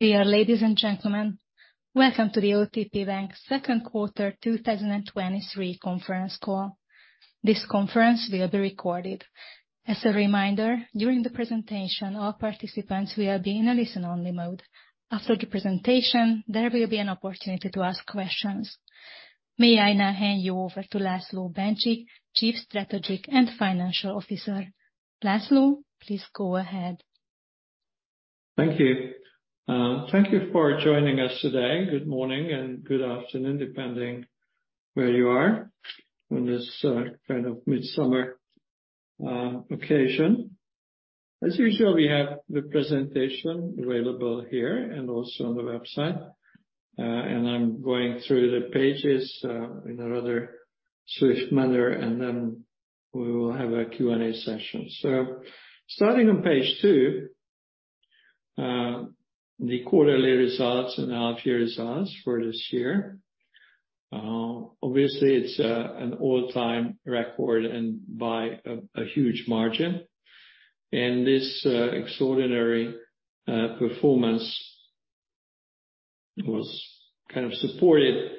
Dear ladies and gentlemen, welcome to the OTP Bank second quarter 2023 conference call. This conference will be recorded. As a reminder, during the presentation, all participants will be in a listen-only mode. After the presentation, there will be an opportunity to ask questions. May I now hand you over to László Bencsik, Chief Strategic and Financial Officer. László, please go ahead. Thank you. Thank you for joining us today. Good morning and good afternoon, depending where you are on this kind of mid-summer occasion. As usual, we have the presentation available here and also on the website. I'm going through the pages in a rather swift manner, and then we will have a Q&A session. Starting on page two, the quarterly results and half-year results for this year. Obviously, it's an all-time record and by a huge margin. This extraordinary performance was kind of supported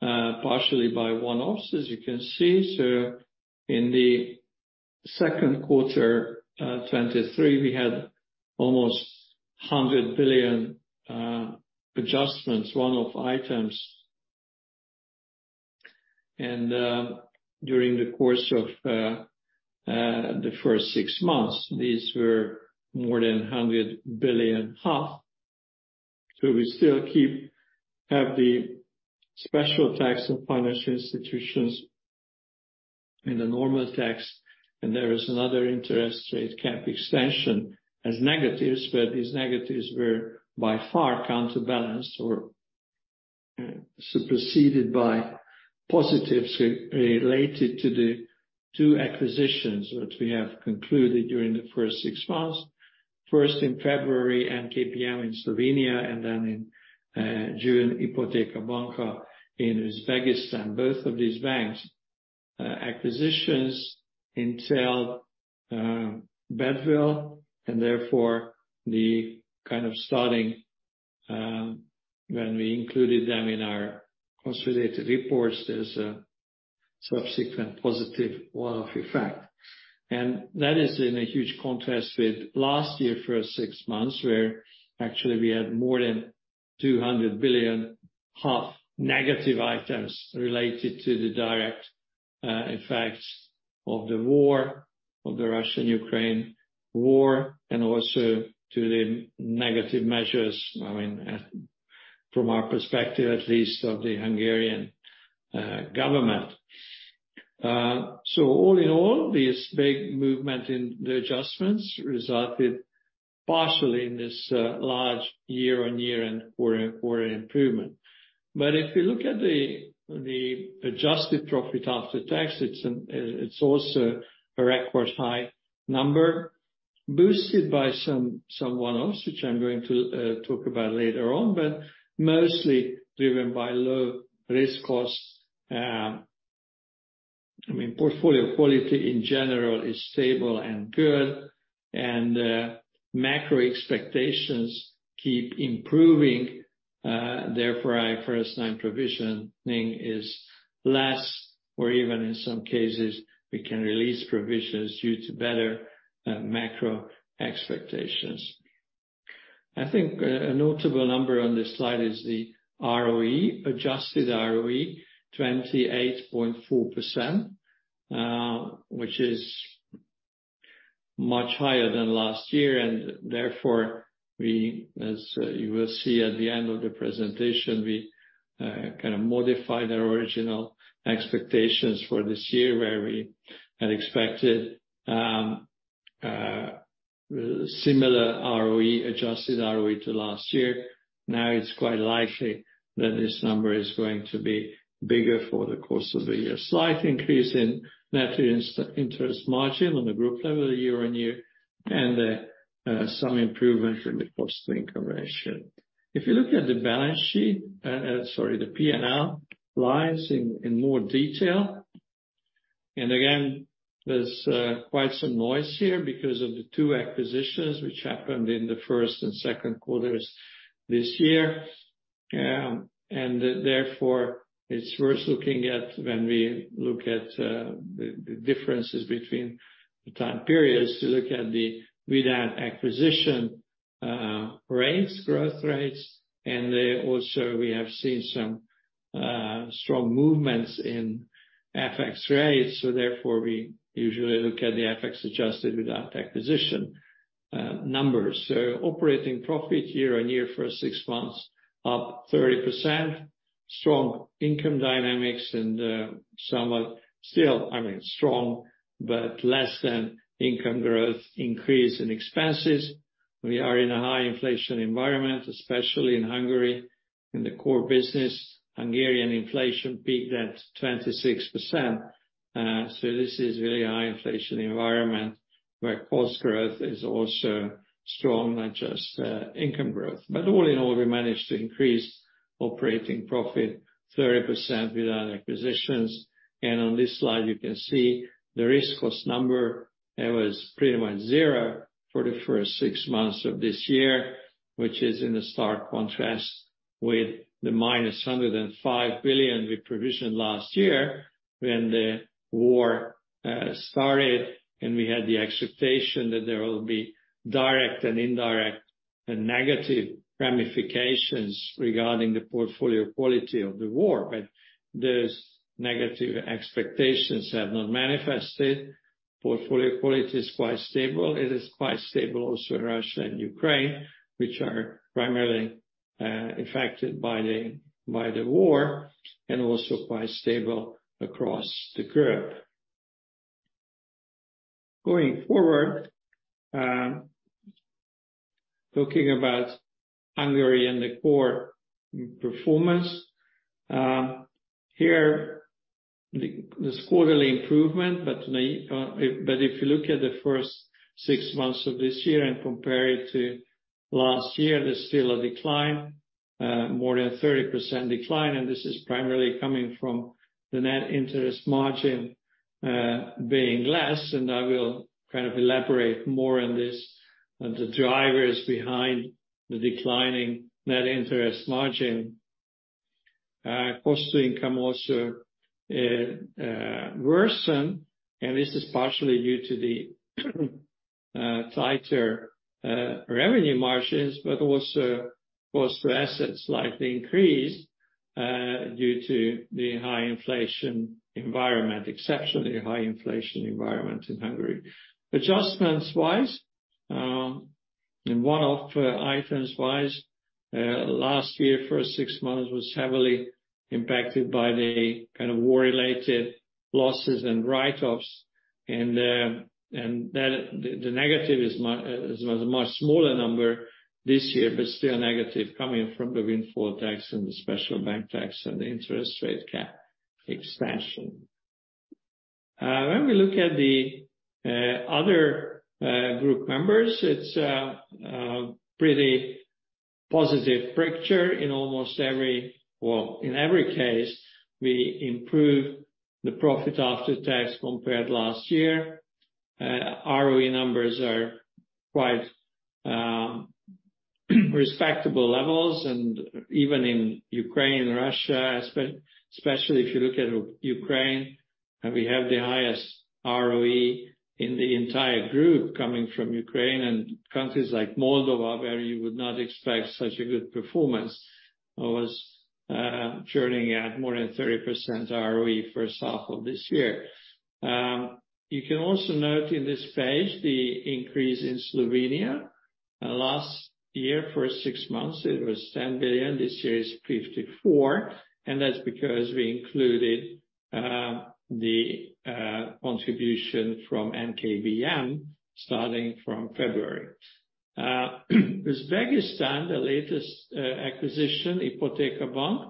partially by one-offs, as you can see. In the second quarter 2023, we had almost 100 billion adjustments, one-off items. During the course of the first 6 months, these were more than 100 billion. We still have the special tax on financial institutions and the normal tax, and there is another interest rate cap extension as negatives, but these negatives were by far counterbalanced or superseded by positives related to the two acquisitions, which we have concluded during the first six months. First in February, NKBM in Slovenia, and then in June, Ipoteka Bank in Uzbekistan. Both of these banks' acquisitions entail badwill, and therefore the kind of starting when we included them in our consolidated reports, there's a subsequent positive one-off effect. That is in a huge contrast with last year first 6 months, where actually we had more than 200 billion negative items related to the direct effects of the war, of the Russian-Ukraine War, and also to the negative measures, I mean, from our perspective, at least of the Hungarian government. All in all, this big movement in the adjustments resulted partially in this large year-on-year and quarter-on-quarter improvement. If you look at the, the adjusted profit after tax, it's also a record high number, boosted by some, some one-offs, which I'm going to talk about later on, but mostly driven by low risk costs. I mean, portfolio quality in general is stable and good. Macro expectations keep improving, therefore, our first line provisioning is less, or even in some cases, we can release provisions due to better macro expectations. I think, a notable number on this slide is the ROE, Adjusted ROE, 28.4%, which is much higher than last year. Therefore, we, as you will see at the end of the presentation, we kind of modified our original expectations for this year, where we had expected similar ROE, Adjusted ROE to last year. Now, it's quite likely that this number is going to be bigger for the course of the year. Slight increase in Net Interest Margin on the group level year-on-year. Some improvement in the cost income ratio. If you look at the balance sheet, sorry, the PNL lines in, in more detail, and again, there's quite some noise here because of the two acquisitions, which happened in the first and second quarters this year. Therefore, it's worth looking at when we look at the differences between the time periods, to look at the without acquisition rates, growth rates, and then also we have seen some strong movements in FX rates, so therefore, we usually look at the FX adjusted without acquisition numbers. Operating profit year-on-year for six months, up 30%. Strong income dynamics and somewhat still, I mean, strong, but less than income growth increase in expenses. We are in a high inflation environment, especially in Hungary. In the core business, Hungarian inflation peaked at 26%, so this is really high inflation environment, where cost growth is also strong, not just income growth. All in all, we managed to increase operating profit 30% without acquisitions. On this slide, you can see the risk cost number. It was pretty much zero for the first 6 months of this year, which is in a stark contrast with the -105 billion we provisioned last year when the war started and we had the expectation that there will be direct and indirect and negative ramifications regarding the portfolio quality of the war. Those negative expectations have not manifested. Portfolio quality is quite stable. It is quite stable also in Russia and Ukraine, which are primarily affected by the war, and also quite stable across the group. Going forward, talking about Hungary and the core performance. Here, this quarterly improvement, but if you look at the first six months of this year and compare it to last year, there's still a decline, more than 30% decline, and this is primarily coming from the Net Interest Margin, being less, and I will kind of elaborate more on this, on the drivers behind the declining Net Interest Margin. Cost to income also worsen, and this is partially due to the tighter revenue margins, but also cost for assets slightly increased, due to the high inflation environment, exceptionally high Inflation Environment in Hungary. Adjustments wise, in one-off items wise, last year, first six months was heavily impacted by the kind of war-related losses and write-offs, and then the negative is a much smaller number this year, but still negative coming from the windfall tax and the special bank tax and the interest rate cap expansion. When we look at the other group members, it's a pretty positive picture in almost every. Well, in every case, we improve the profit after tax compared last year. ROE numbers are quite respectable levels. Even in Ukraine, Russia, especially if you look at Ukraine, and we have the highest ROE in the entire group coming from Ukraine and countries like Moldova, where you would not expect such a good performance, was churning out more than 30% ROE first half of this year. You can also note in this page the increase in Slovenia. Last year, first 6 months, it was 10 billion. This year is 54 billion, and that's because we included the contribution from NKBM, starting from February. Uzbekistan, the latest acquisition, Ipoteka Bank,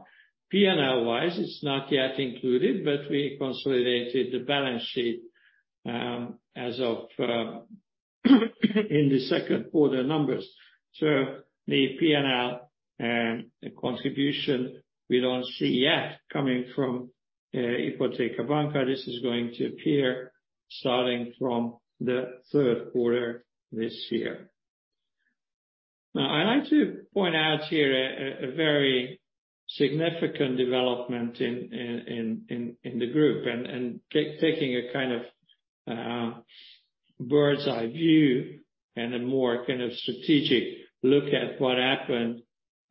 PNL wise, it's not yet included, but we consolidated the balance sheet as of in the second quarter numbers. The PNL contribution, we don't see yet coming from Ipoteka Bank. This is going to appear starting from the third quarter this year. Now, I'd like to point out here a very significant development in the group and taking a kind of bird's-eye view and a more kind of strategic look at what happened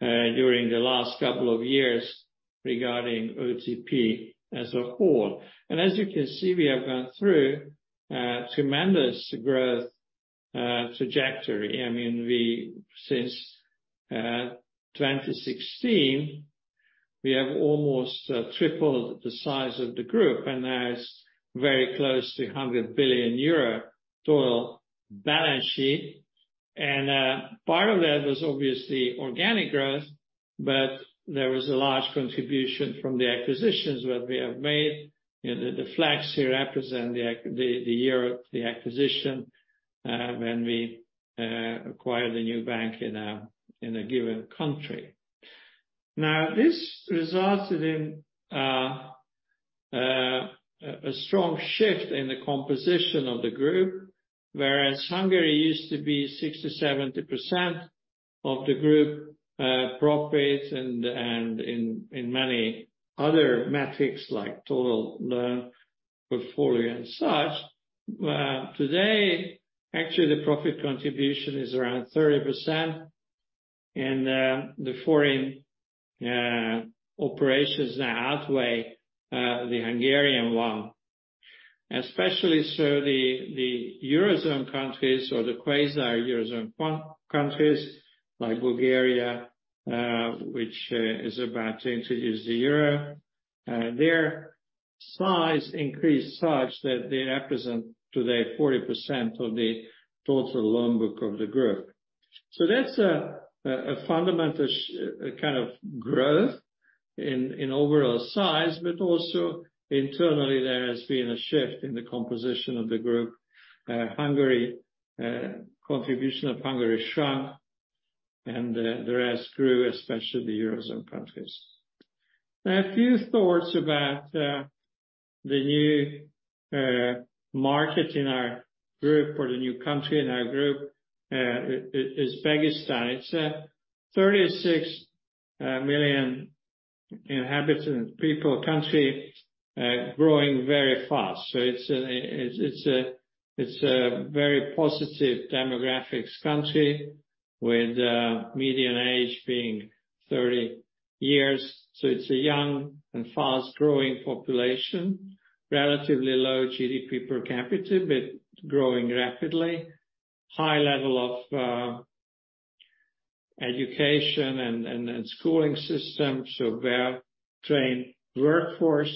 during the last couple of years regarding OTP as a whole. As you can see, we have gone through a tremendous growth trajectory. I mean, since 2016, we have almost tripled the size of the group, and now it's very close to 100 billion euro total balance sheet. Part of that was obviously organic growth, but there was a large contribution from the acquisitions that we have made. The, the flags here represent the, the year of the acquisition when we acquired a new bank in a given country. This resulted in a strong shift in the composition of the group, whereas Hungary used to be 60%-70% of the group profits and in many other metrics like total loan portfolio and such. Today, actually, the profit contribution is around 30%, and the foreign operations now outweigh the Hungarian one. Especially so the, the Eurozone Countries or the quasi Eurozone Countries like Bulgaria, which is about to introduce the euro, their size increased such that they represent today 40% of the total loan book of the group. That's a fundamental kind of growth-. In overall size, but also internally, there has been a shift in the composition of the group. Hungary, contribution of Hungary shrunk and the rest grew, especially the Eurozone countries. A few thoughts about the new market in our group or the new country in our group, is Uzbekistan. It's a 36 million inhabitant people country, growing very fast. It's a very positive demographics country with median age being 30 years. It's a young and fast-growing population, relatively low GDP per capita, but growing rapidly. High level of education and schooling system, so well-trained workforce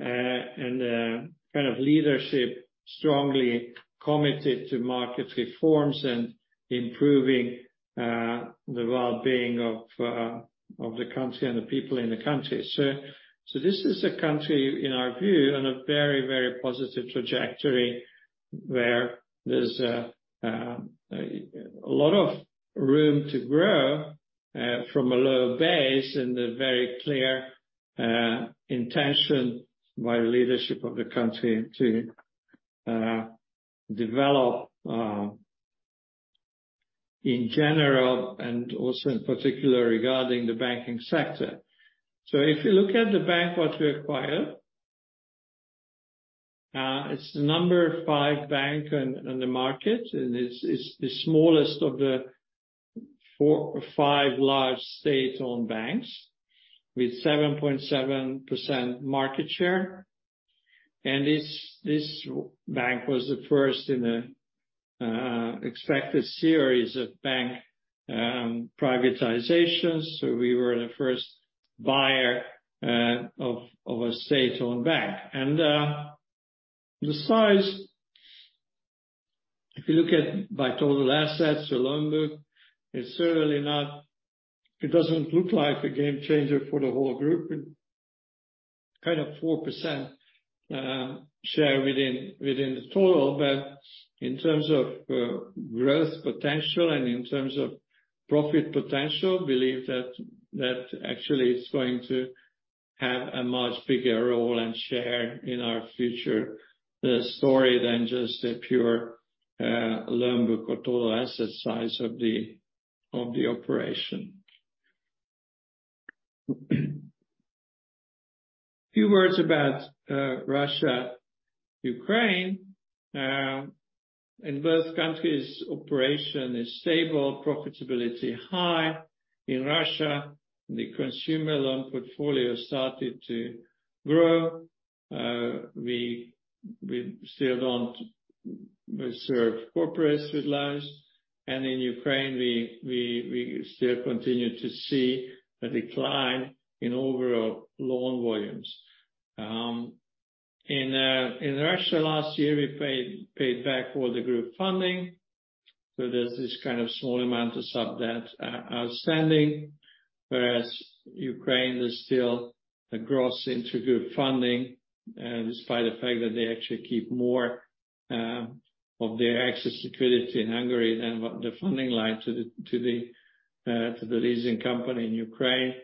and kind of leadership strongly committed to market reforms and improving the well-being of the country and the people in the country. So this is a country, in our view, on a very, very positive trajectory, where there's a lot of room to grow from a low base and a very clear intention by the leadership of the country to develop in general, and also in particular, regarding the banking sector. If you look at the bank, what we acquired, it's the number five bank on the market, and it's the smallest of the four, five large state-owned banks with 7.7% market share. This, this bank was the first in an expected series of bank privatizations. We were the first buyer of a state-owned bank. The size, if you look at by total assets or loan book, is certainly not. It doesn't look like a game changer for the whole group. Kind of 4% share within the total. In terms of growth potential and in terms of profit potential, believe that actually is going to have a much bigger role and share in our future story than just a pure loan book or total asset size of the operation. A few words about Russia, Ukraine. In both countries, operation is stable, profitability high. In Russia, the Consumer Loan Portfolio started to grow. We still don't serve corporates with loans, and in Ukraine, we still continue to see a decline in overall loan volumes. In Russia last year, we paid, paid back all the group funding, so there's this kind of small amount of sub-debt outstanding. Whereas Ukraine is still a gross intragroup funding, despite the fact that they actually keep more of their access security in Hungary than what the funding line to the, to the, to the leasing company in Ukraine.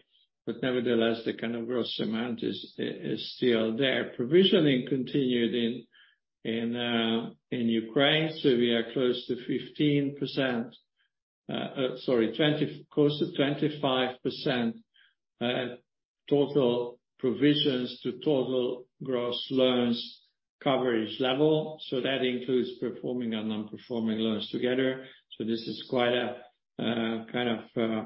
Nevertheless, the kind of gross amount is, is still there. Provisioning continued in, in Ukraine, so we are close to 15%, close to 25% total provisions to total gross loans coverage level, so that includes performing and non-performing loans together. This is quite a kind of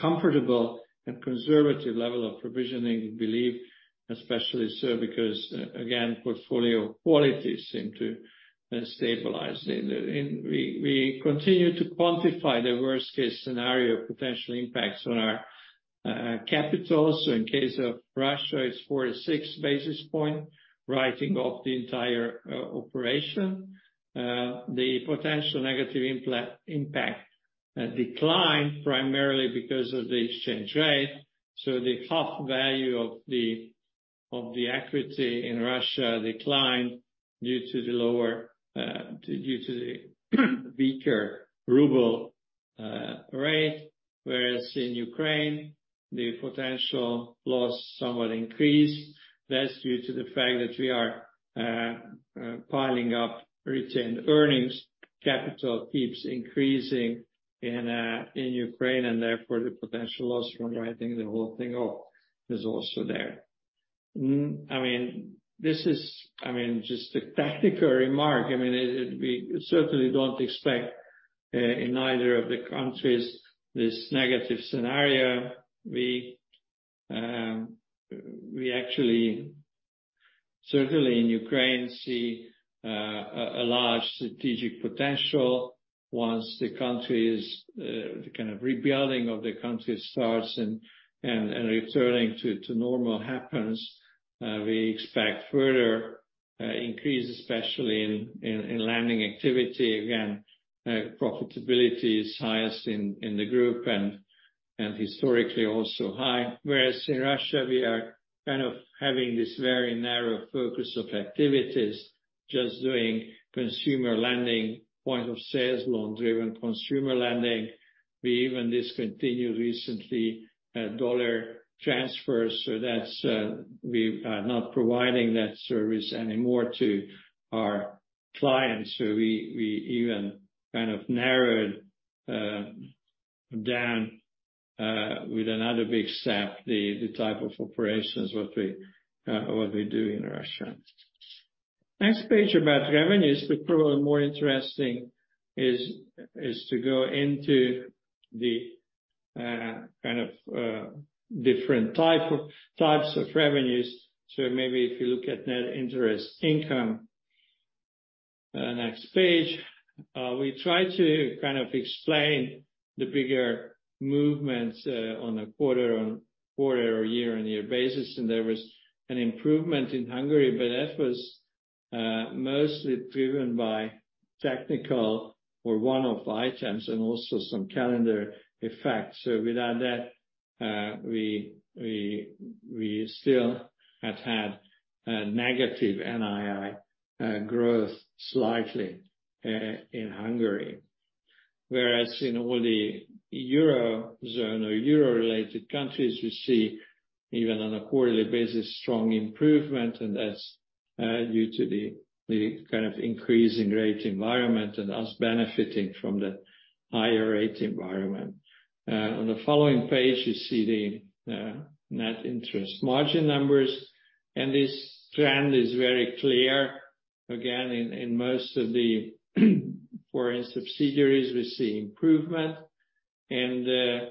comfortable and conservative level of provisioning, we believe, especially so because, again, portfolio quality seem to stabilize. We, we continue to quantify the worst-case scenario potential impacts on our capitals. In case of Russia, it's 46 basis points, writing off the entire operation. The potential negative impact declined primarily because of the exchange rate. The half value of the, of the equity in Russia declined due to the lower, due to the weaker ruble rate. In Ukraine, the potential loss somewhat increased. That's due to the fact that we are piling up retained earnings. Capital keeps increasing in Ukraine, and therefore, the potential loss from writing the whole thing off is also there. I mean, just a technical remark. I mean, we certainly don't expect in either of the countries, this negative scenario. We actually, certainly in Ukraine, see a large strategic potential once the country is the kind of rebuilding of the country starts and returning to normal happens, we expect further increase, especially in lending activity. Again, profitability is highest in the group and historically, also high. Whereas in Russia, we are kind of having this very narrow focus of activities, just doing consumer lending, point of sale, loan-driven consumer lending. We even discontinued recently dollar transfers, so that's we are not providing that service anymore to our clients. We even kind of narrowed down with another big step, the type of operations, what we do in Russia. Next page about revenues, but probably more interesting is, is to go into the kind of different types of revenues. Maybe if you look at Net Interest Income, next page. We try to kind of explain the bigger movements on a quarter-on-quarter or year-on-year basis, and there was an improvement in Hungary, but that was mostly driven by technical or one-off items and also some calendar effects. Without that, we, we, we still have had negative NII growth slightly in Hungary. Whereas in all the Eurozone or Euro-related countries, you see, even on a quarterly basis, strong improvement, and that's due to the, the kind of increasing rate environment and us benefiting from the higher rate environment. Page, you see the net interest margin numbers, and this trend is very clear. Again, in most of the foreign subsidiaries, we see improvement. We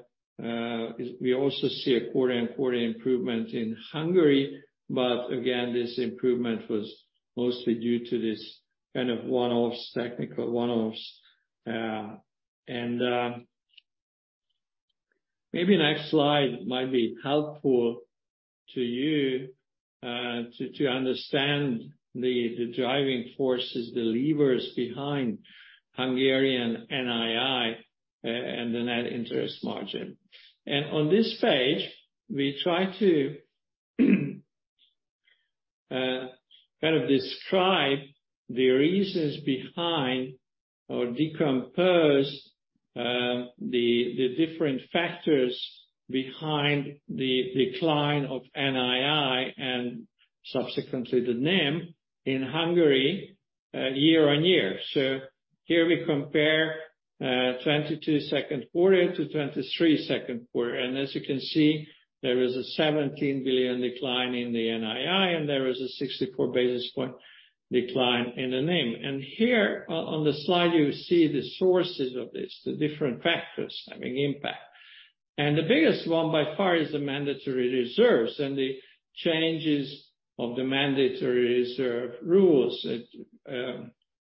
also see a quarter-on-quarter improvement in Hungary. But again, this improvement was mostly due to this kind of one-offs, technical one-offs. Maybe next slide might be helpful to you to understand the driving forces, the levers behind Hungarian NII and the net interest margin. On this page, we try to kind of describe the reasons behind or decompose the different factors behind the decline of NII and subsequently the NIM in Hungary year-on-year. Here we compare 2022 second quarter to 2023 second quarter. As you can see, there is a 17 billion decline in the NII, and there is a 64 basis point decline in the NIM. Here on the slide, you see the sources of this, the different factors having impact. The biggest one by far is the mandatory reserves and the changes of the mandatory reserve rules.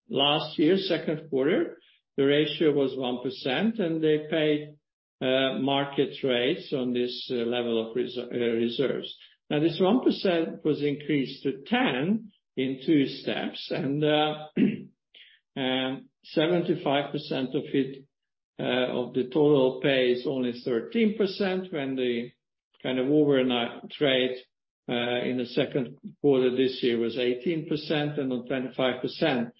Last year, second quarter, the ratio was 1%, and they paid market rates on this level of reserves. Now, this 1% was increased to 10 in two steps, and 75% of it, of the total pay is only 13%, when the kind of overnight rate in the second quarter this year was 18% and on 25%,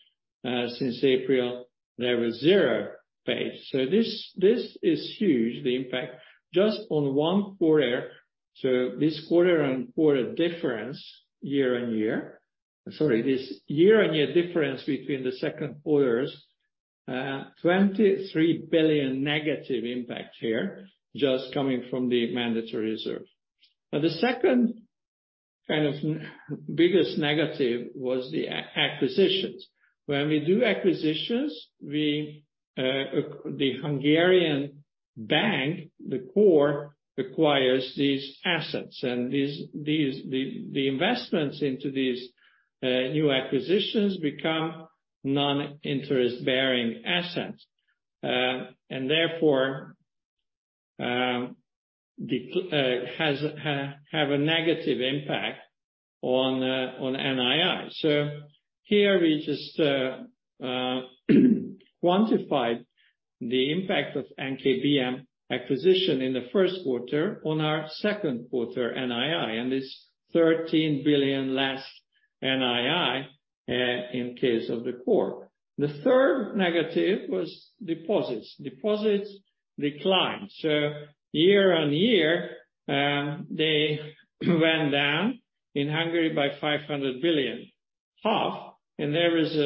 since April, there was zero pay. This, this is huge, the impact just on 1 quarter. This quarter-on-quarter difference, year-on-year. Sorry, this year-on-year difference between the second quarters, 23 billion negative impact here, just coming from the mandatory reserve. The second kind of biggest negative was the acquisitions. When we do acquisitions, we, the Hungarian bank, the core, acquires these assets and these investments into these new acquisitions become non-interest-bearing assets. And therefore, has have a negative impact on NII. Here we just quantified the impact of NKBM acquisition in the first quarter on our second quarter NII, and this 13 billion less NII in case of the core. The third negative was deposits. Deposits declined. Year-on-year, they went down in Hungary by 500 billion, and there is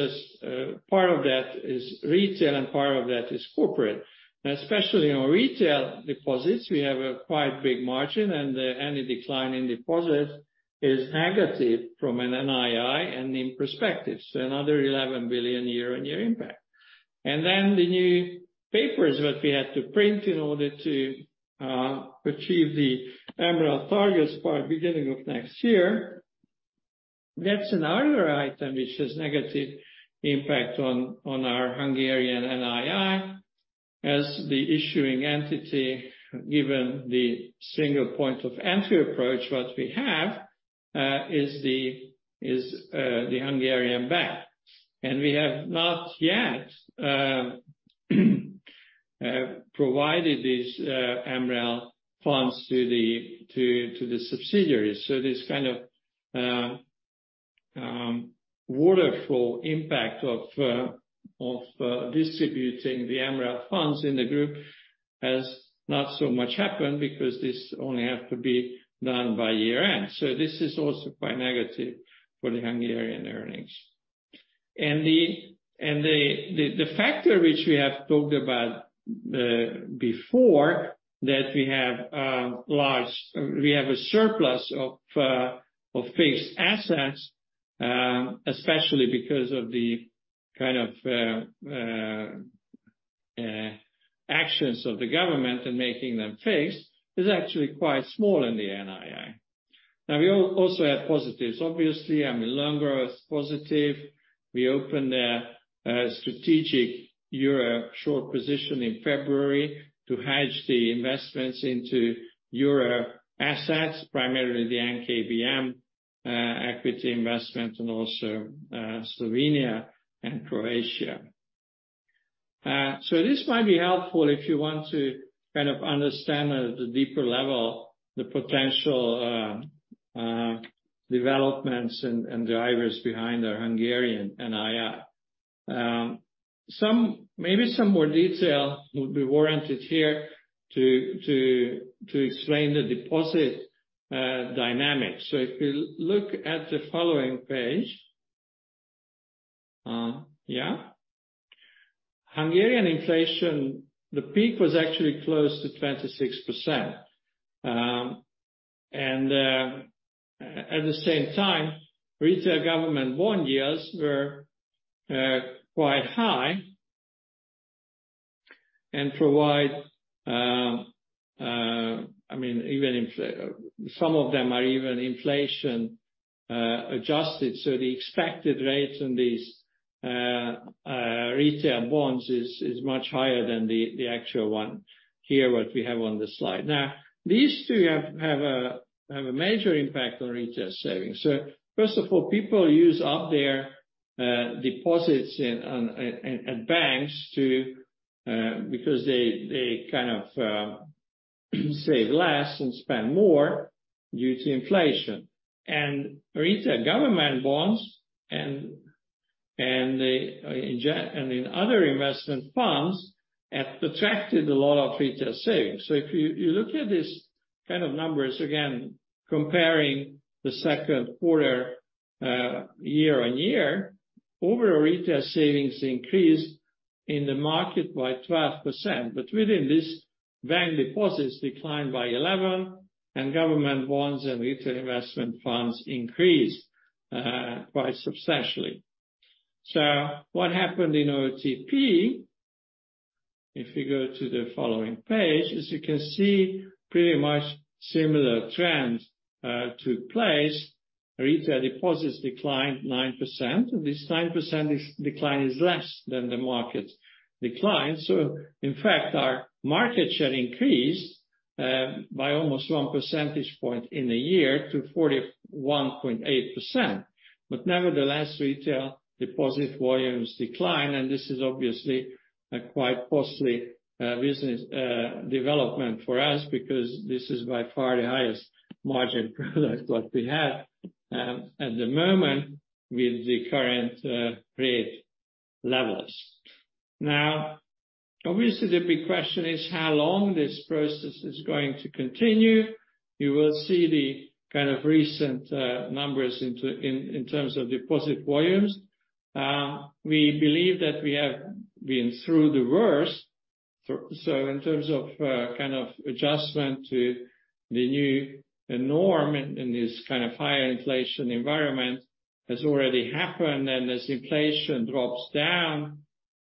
a part of that is retail and part of that is corporate. Especially in our retail deposits, we have a quite big margin, and any decline in deposits is negative from an NII and in perspective, another 11 billion year-on-year impact. The new papers that we had to print in order to achieve the MREL targets by beginning of next year, that's another item which has negative impact on our Hungarian NII. As the issuing entity, given the Single Point of Entry approach, what we have is the Hungarian bank. We have not yet provided these MREL funds to the subsidiaries. This kind of waterfall impact of distributing the MREL funds in the group has not so much happened because this only have to be done by year end. This is also quite negative for the Hungarian earnings. The factor which we have talked about before, that we have a surplus of fixed assets, especially because of the kind of actions of the government in making them fixed, is actually quite small in the NII. We also have positives. Obviously, I mean, loan growth is positive. We opened a strategic euro short position in February to hedge the investments into euro assets, primarily the NKBM equity investment, and also Slovenia and Croatia. This might be helpful if you want to kind of understand at a deeper level, the potential developments and drivers behind our Hungarian NII. Maybe some more detail would be warranted here to explain the deposit dynamics. If you look at the following page. Hungarian inflation, the peak was actually close to 26%. At the same time, retail government bond yields were quite high and provide I mean, some of them are even inflation adjusted. The expected rates on these retail bonds is much higher than the actual one here, what we have on the slide. These two have a major impact on retail savings. First of all, people use up their deposits in, on, in, at banks to because they, they kind of, save less and spend more due to inflation. Retail government bonds and, and the, and in other investment funds, have attracted a lot of retail savings. If you, you look at these kind of numbers, again, comparing the second quarter year-on-year, overall retail savings increased in the market by 12%. Within this, bank deposits declined by 11, and government bonds and retail investment funds increased quite substantially. What happened in OTP Bank, if you go to the following page, as you can see, pretty much similar trends took place. Retail deposits declined 9%, and this 9% decline is less than the market decline. In fact, our market share increased by almost one percentage point in a year to 41.8%. Nevertheless, retail deposit volumes declined, and this is obviously a quite costly business development for us, because this is by far the highest margin product what we have at the moment with the current rate levels. Obviously, the big question is how long this process is going to continue. You will see the kind of recent numbers in terms of deposit volumes. We believe that we have been through the worst. In terms of kind of adjustment to the new norm in this kind of higher inflation environment, has already happened. As inflation drops down,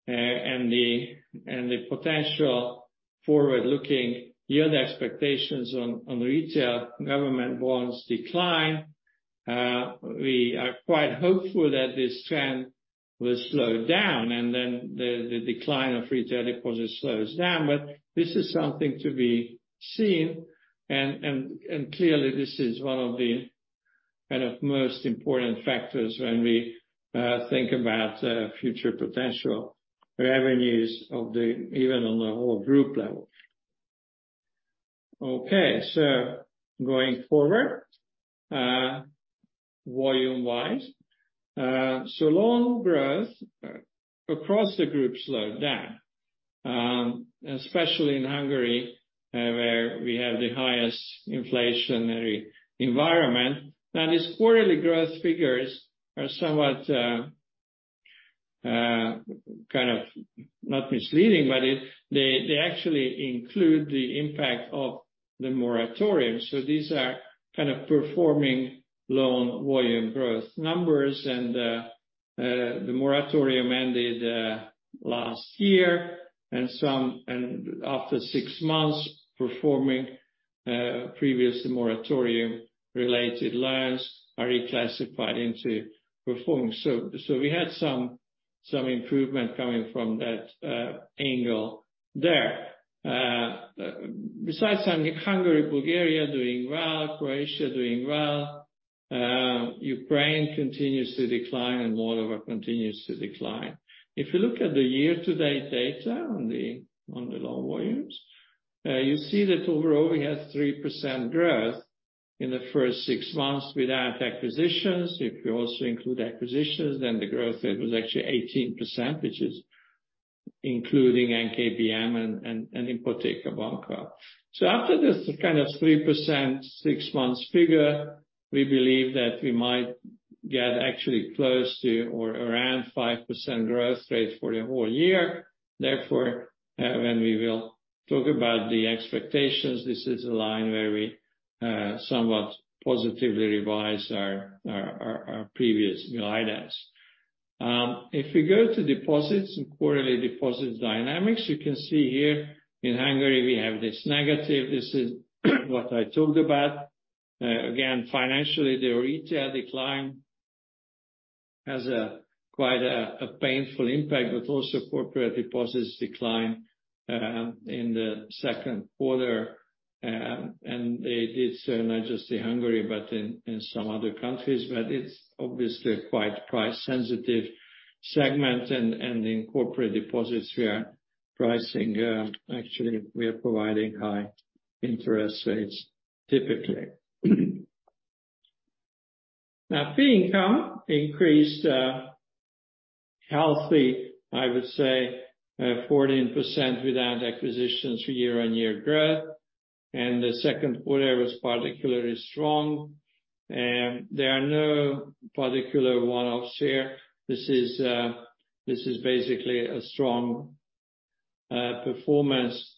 and the, and the potential forward-looking yield expectations on, on retail government bonds decline, we are quite hopeful that this trend will slow down, and then the, the decline of retail deposits slows down. This is something to be seen, and, and, and clearly, this is one of the kind of most important factors when we think about future potential revenues of the-- even on the whole group level. Going forward, volume-wise, loan growth across the group slowed down, especially in Hungary, where we have the highest inflationary environment. Now, these quarterly growth figures are somewhat kind of not misleading, but they, they actually include the impact of the moratorium. These are kind of performing loan volume growth numbers, and the moratorium ended last year and some, and after 6 months performing, previous moratorium related loans are reclassified into performing. Besides Hungary, Bulgaria doing well, Croatia doing well, Ukraine continues to decline and Moldova continues to decline. If you look at the year-to-date data on the, on the loan volumes, you see that overall we had 3% growth in the first six months without acquisitions. If you also include acquisitions, then the growth rate was actually 18%, which is including NKBM and Ipoteka Bank. After this kind of 3%, six months figure, we believe that we might get actually close to or around 5% growth rate for the whole year. Therefore, when we will talk about the expectations, this is a line where we somewhat positively revise our previous guidance. If we go to deposits and quarterly deposits dynamics, you can see here in Hungary we have this negative. This is what I told about. Again, financially, the retail decline has a quite a painful impact, but also corporate deposits decline in the second quarter. It's not just in Hungary, but in some other countries, but it's obviously a quite price-sensitive segment. In corporate deposits, we are pricing, actually, we are providing high interest rates, typically. Now, fee income increased healthy, I would say, 14% without acquisitions for year-on-year growth, and the second quarter was particularly strong. There are no particular one-offs here. This is, this is basically a strong performance,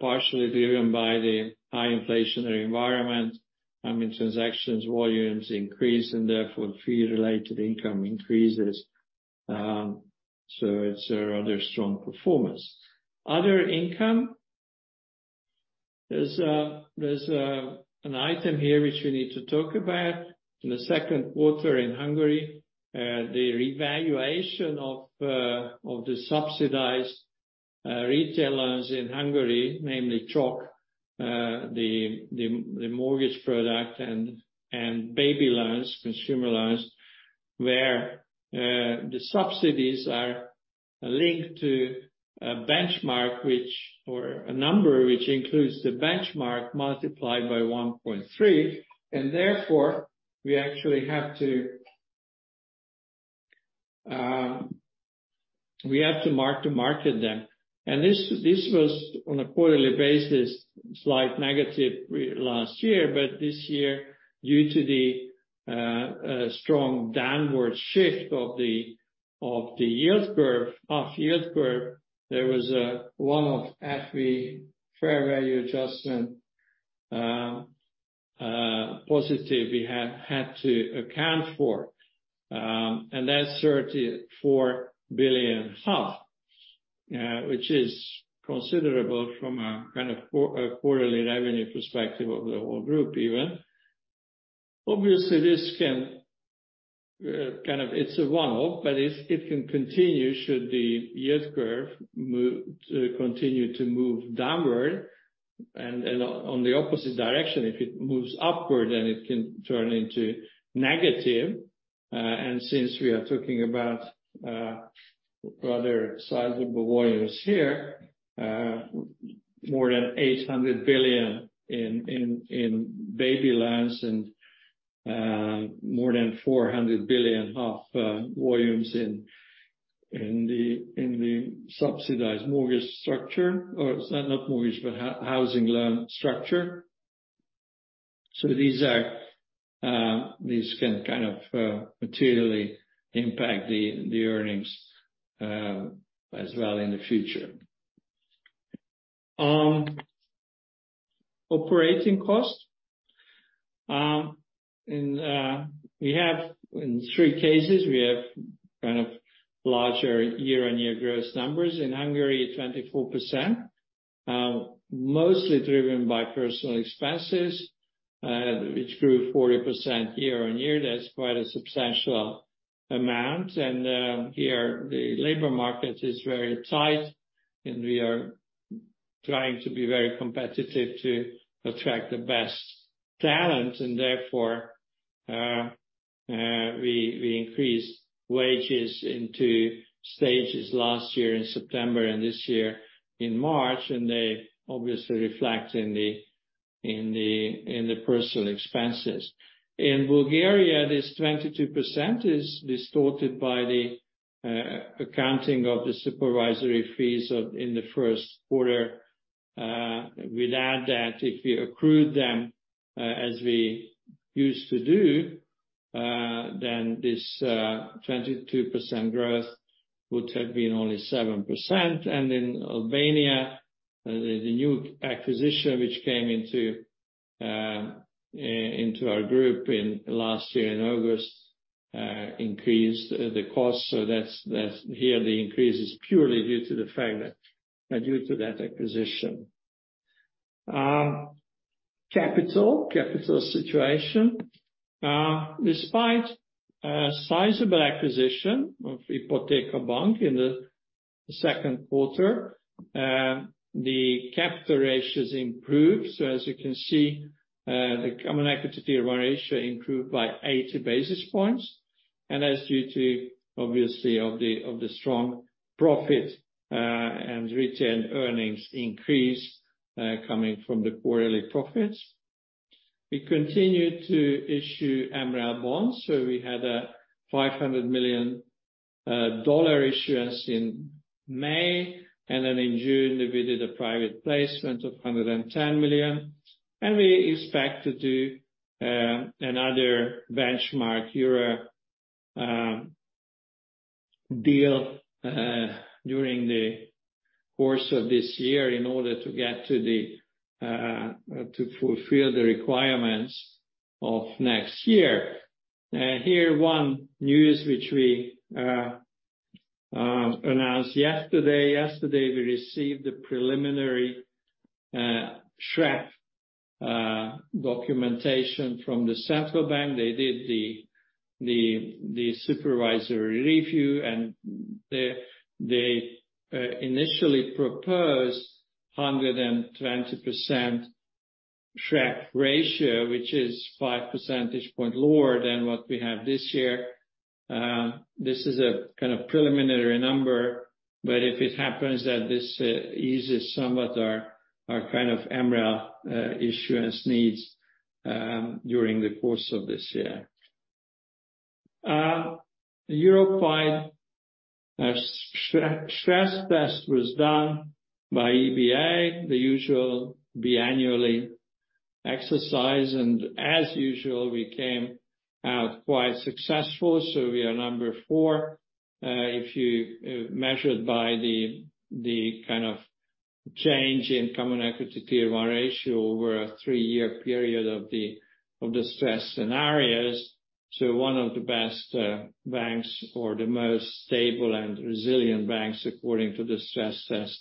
partially driven by the high inflationary environment. I mean, transactions, volumes increase and therefore fee-related income increases. So it's a rather strong performance. Other income, there's a, there's a, an item here which we need to talk about. In the second quarter in Hungary, the revaluation of the subsidized retail loans in Hungary, namely CSOK, the, the, the mortgage product and, and Baby-Expecting Loan, consumer loans. Where, the subsidies are linked to a benchmark which, or a number, which includes the benchmark multiplied by 1.3, and therefore we actually have to, we have to mark-to-market them. This, this was on a quarterly basis, slight negative re- last year, but this year, due to the strong downward shift of the yield curve, of yield curve, there was a one-off FV fair value adjustment positive we had, had to account for. That's 34 billion, which is considerable from a kind of quarterly revenue perspective of the whole group, even. Obviously, this can, kind of. It's a one-off, but it can continue should the yield curve continue to move downward. On the opposite direction, if it moves upward, then it can turn into negative. Since we are talking about rather sizable volumes here, more than 800 billion in Baby-Expecting Loan and 400 billion volumes in the Subsidized Mortgage Structure, or not mortgage, but Housing Loan Structure. These are, these can kind of materially impact the earnings as well in the future. Operating costs. We have in three cases, we have kind of larger year-on-year growth numbers. In Hungary, it's 24%, mostly driven by personal expenses, which grew 40% year on year. That's quite a substantial amount, and here the labor market is very tight, and we are trying to be very competitive to attract the best talent. Therefore, we increased wages in two stages last year in September and this year in March, and they obviously reflect in the in the in the personal expenses. In Bulgaria, this 22% is distorted by the accounting of the supervisory fees in the 1st quarter. Without that, if we accrued them as we used to do, then this 22% growth would have been only 7%. In Albania, the new acquisition which came into our group in last year, in August, increased the cost. That's, that's here the increase is purely due to the fact that due to that acquisition. Capital, capital situation. Despite a sizable acquisition of Ipoteka Bank in the second quarter, the capital ratios improved. As you can see, the Common Equity Tier 1 ratio improved by 80 basis points, and that's due to obviously of the, of the strong profit and retained earnings increase coming from the quarterly profits. We continued to issue MREL bonds, so we had a $500 million issuance in May, and then in June, we did a private placement of $110 million. We expect to do another benchmark euro deal during the course of this year in order to get to the to fulfill the requirements of next year. Here, one news, which we announced yesterday. Yesterday, we received the preliminary SREP documentation from the Central Bank. They did the, the, the supervisory review. They, they, initially proposed 120% SREP ratio, which is five percentage point lower than what we have this year. This is a kind of preliminary number, but if it happens that this eases somewhat our, our kind of MREL issuance needs during the course of this year. Europe-wide stress test was done by EBA, the usual biannually exercise, and as usual, we came out quite successful. We are number four, if you measured by the, the kind of change in Common Equity Tier 1 ratio over a 3-year period of the, of the stress scenarios. One of the best banks or the most stable and resilient banks, according to the stress test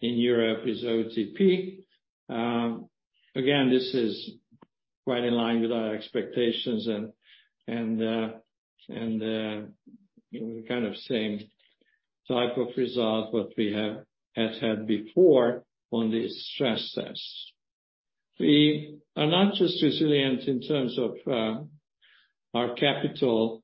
in Europe, is OTP. Again, this is quite in line with our expectations and, and, kind of same type of result what we has had before on this stress test. We are not just resilient in terms of our capital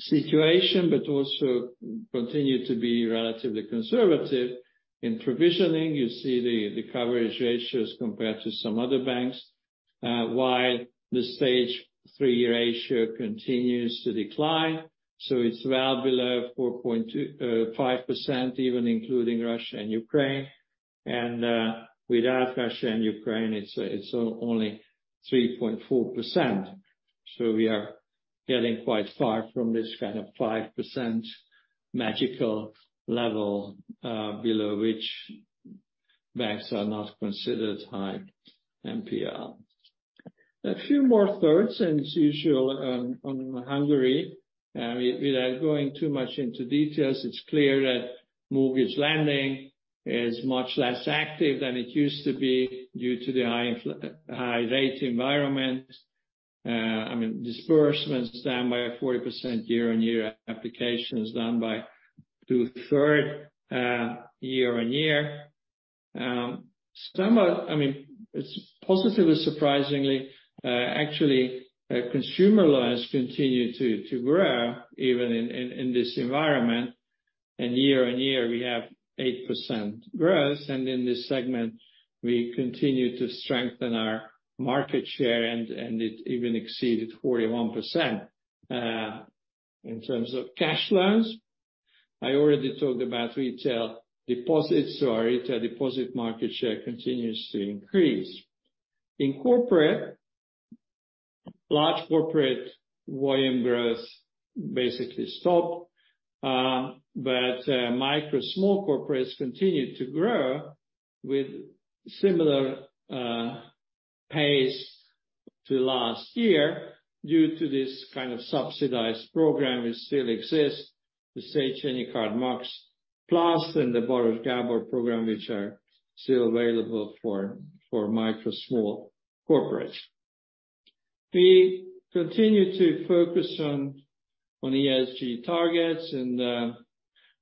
situation, but also continue to be relatively conservative in provisioning. You see the coverage ratios compared to some other banks, while the stage three ratio continues to decline, so it's well below 4.25%, even including Russia and Ukraine. Without Russia and Ukraine, it's only 3.4%. We are getting quite far from this kind of 5% magical level, below which banks are not considered high NPR. A few more thirds, it's usual, on Hungary, without going too much into details, it's clear that mortgage lending is much less active than it used to be due to the high infl-- high rate environment. I mean, disbursements down by 40% year-on-year, applications down by two third year-on-year. Somewhat... I mean, it's positively surprisingly, actually, consumer loans continue to, to grow even in, in, in this environment. Year-on-year, we have 8% growth. In this segment, we continue to strengthen our market share, and it even exceeded 41%. In terms of cash loans, I already talked about retail deposits. Our retail deposit market share continues to increase. In corporate, large corporate volume growth basically stopped, micro small corporates continued to grow with similar pace to last year due to this kind of subsidized program which still exists, the Széchenyi Kártya Program MAX+ and the Baross Gábor program, which are still available for micro small corporates. We continue to focus on ESG targets,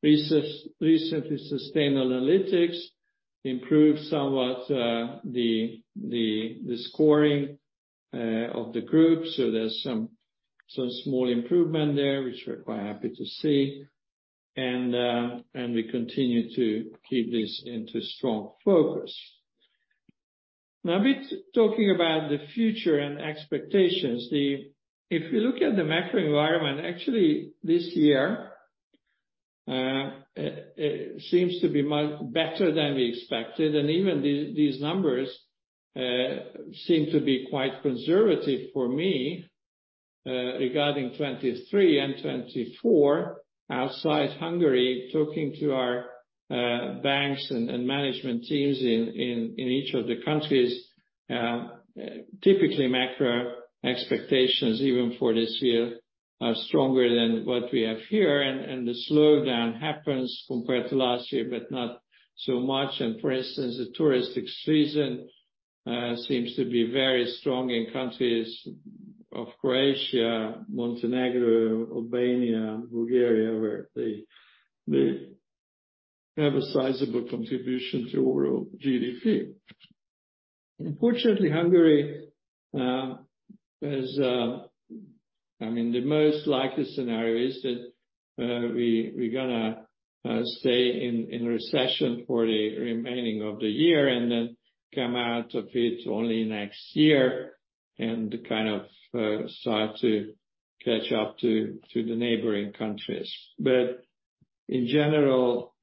recently, Sustainalytics improved somewhat the scoring of the group, so there's some small improvement there, which we're quite happy to see. We continue to keep this into strong focus. Now, a bit talking about the future and expectations. If you look at the macro environment, actually this year, it, it seems to be much better than we expected, and even these, these numbers, seem to be quite conservative for me, regarding 2023 and 2024. Outside Hungary, talking to our-... banks and, and management teams in, in, in each of the countries, typically macro expectations, even for this year, are stronger than what we have here. The slowdown happens compared to last year, but not so much. For instance, the touristic season, seems to be very strong in countries of Croatia, Montenegro, Albania, Bulgaria, where they, they have a sizable contribution to overall GDP. Unfortunately, Hungary, I mean, the most likely scenario is that we, we're gonna stay in recession for the remaining of the year and then come out of it only next year and kind of start to catch up to the neighboring countries. In general,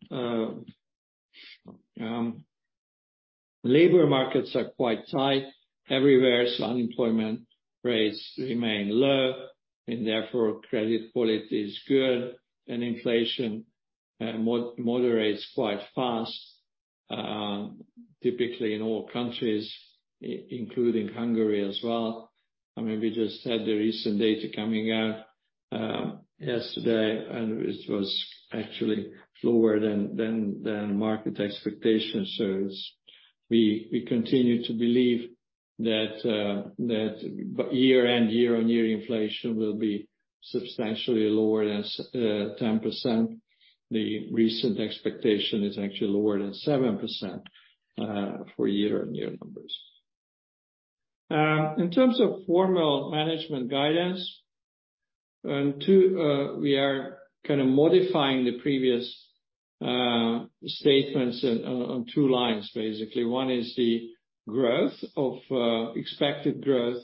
labor markets are quite tight everywhere, so unemployment rates remain low, and therefore credit quality is good, and inflation moderates quite fast, typically in all countries, including Hungary as well. I mean, we just had the recent data coming out yesterday, and it was actually lower than market expectations. We, we continue to believe that year-on-year inflation will be substantially lower than 10%. The recent expectation is actually lower than 7% for year-on-year numbers. In terms of formal management guidance, and two, we are kind of modifying the previous statements on two lines, basically. One is the growth of expected growth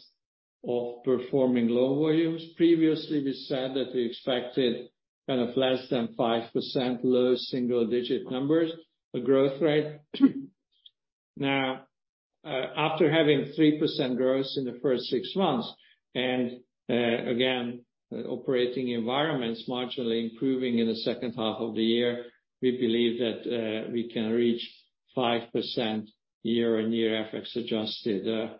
of performing loan volumes. Previously, we said that we expected kind of less than 5%, low single digit numbers, the growth rate. Now, after having 3% growth in the first 6 months, and again, operating environments marginally improving in the second half of the year, we believe that we can reach 5% year-on-year FX-adjusted,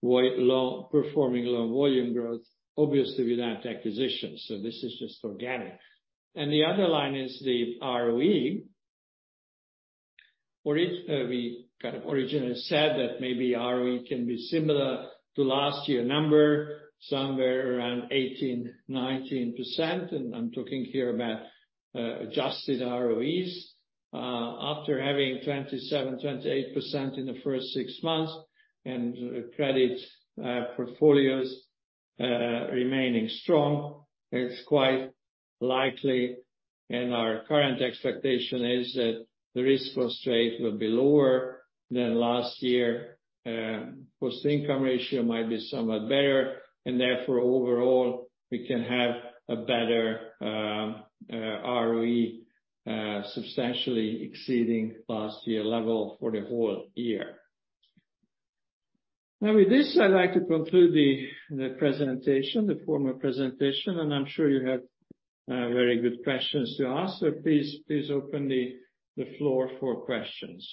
white loan, performing loan volume growth. Obviously, without acquisitions, so this is just organic. The other line is the ROE. It, we kind of originally said that maybe ROE can be similar to last year number, somewhere around 18%-19%, and I'm talking here about Adjusted ROEs. After having 27%-28% in the first 6 months, and credit portfolios remaining strong, it's quite likely, and our current expectation is that the risk cost rate will be lower than last year, cost-to-income ratio might be somewhat better, and therefore, overall, we can have a better, ROE substantially exceeding last year level for the whole year. With this, I'd like to conclude the, the presentation, the formal presentation, and I'm sure you have very good questions to ask. Please, please open the, the floor for questions.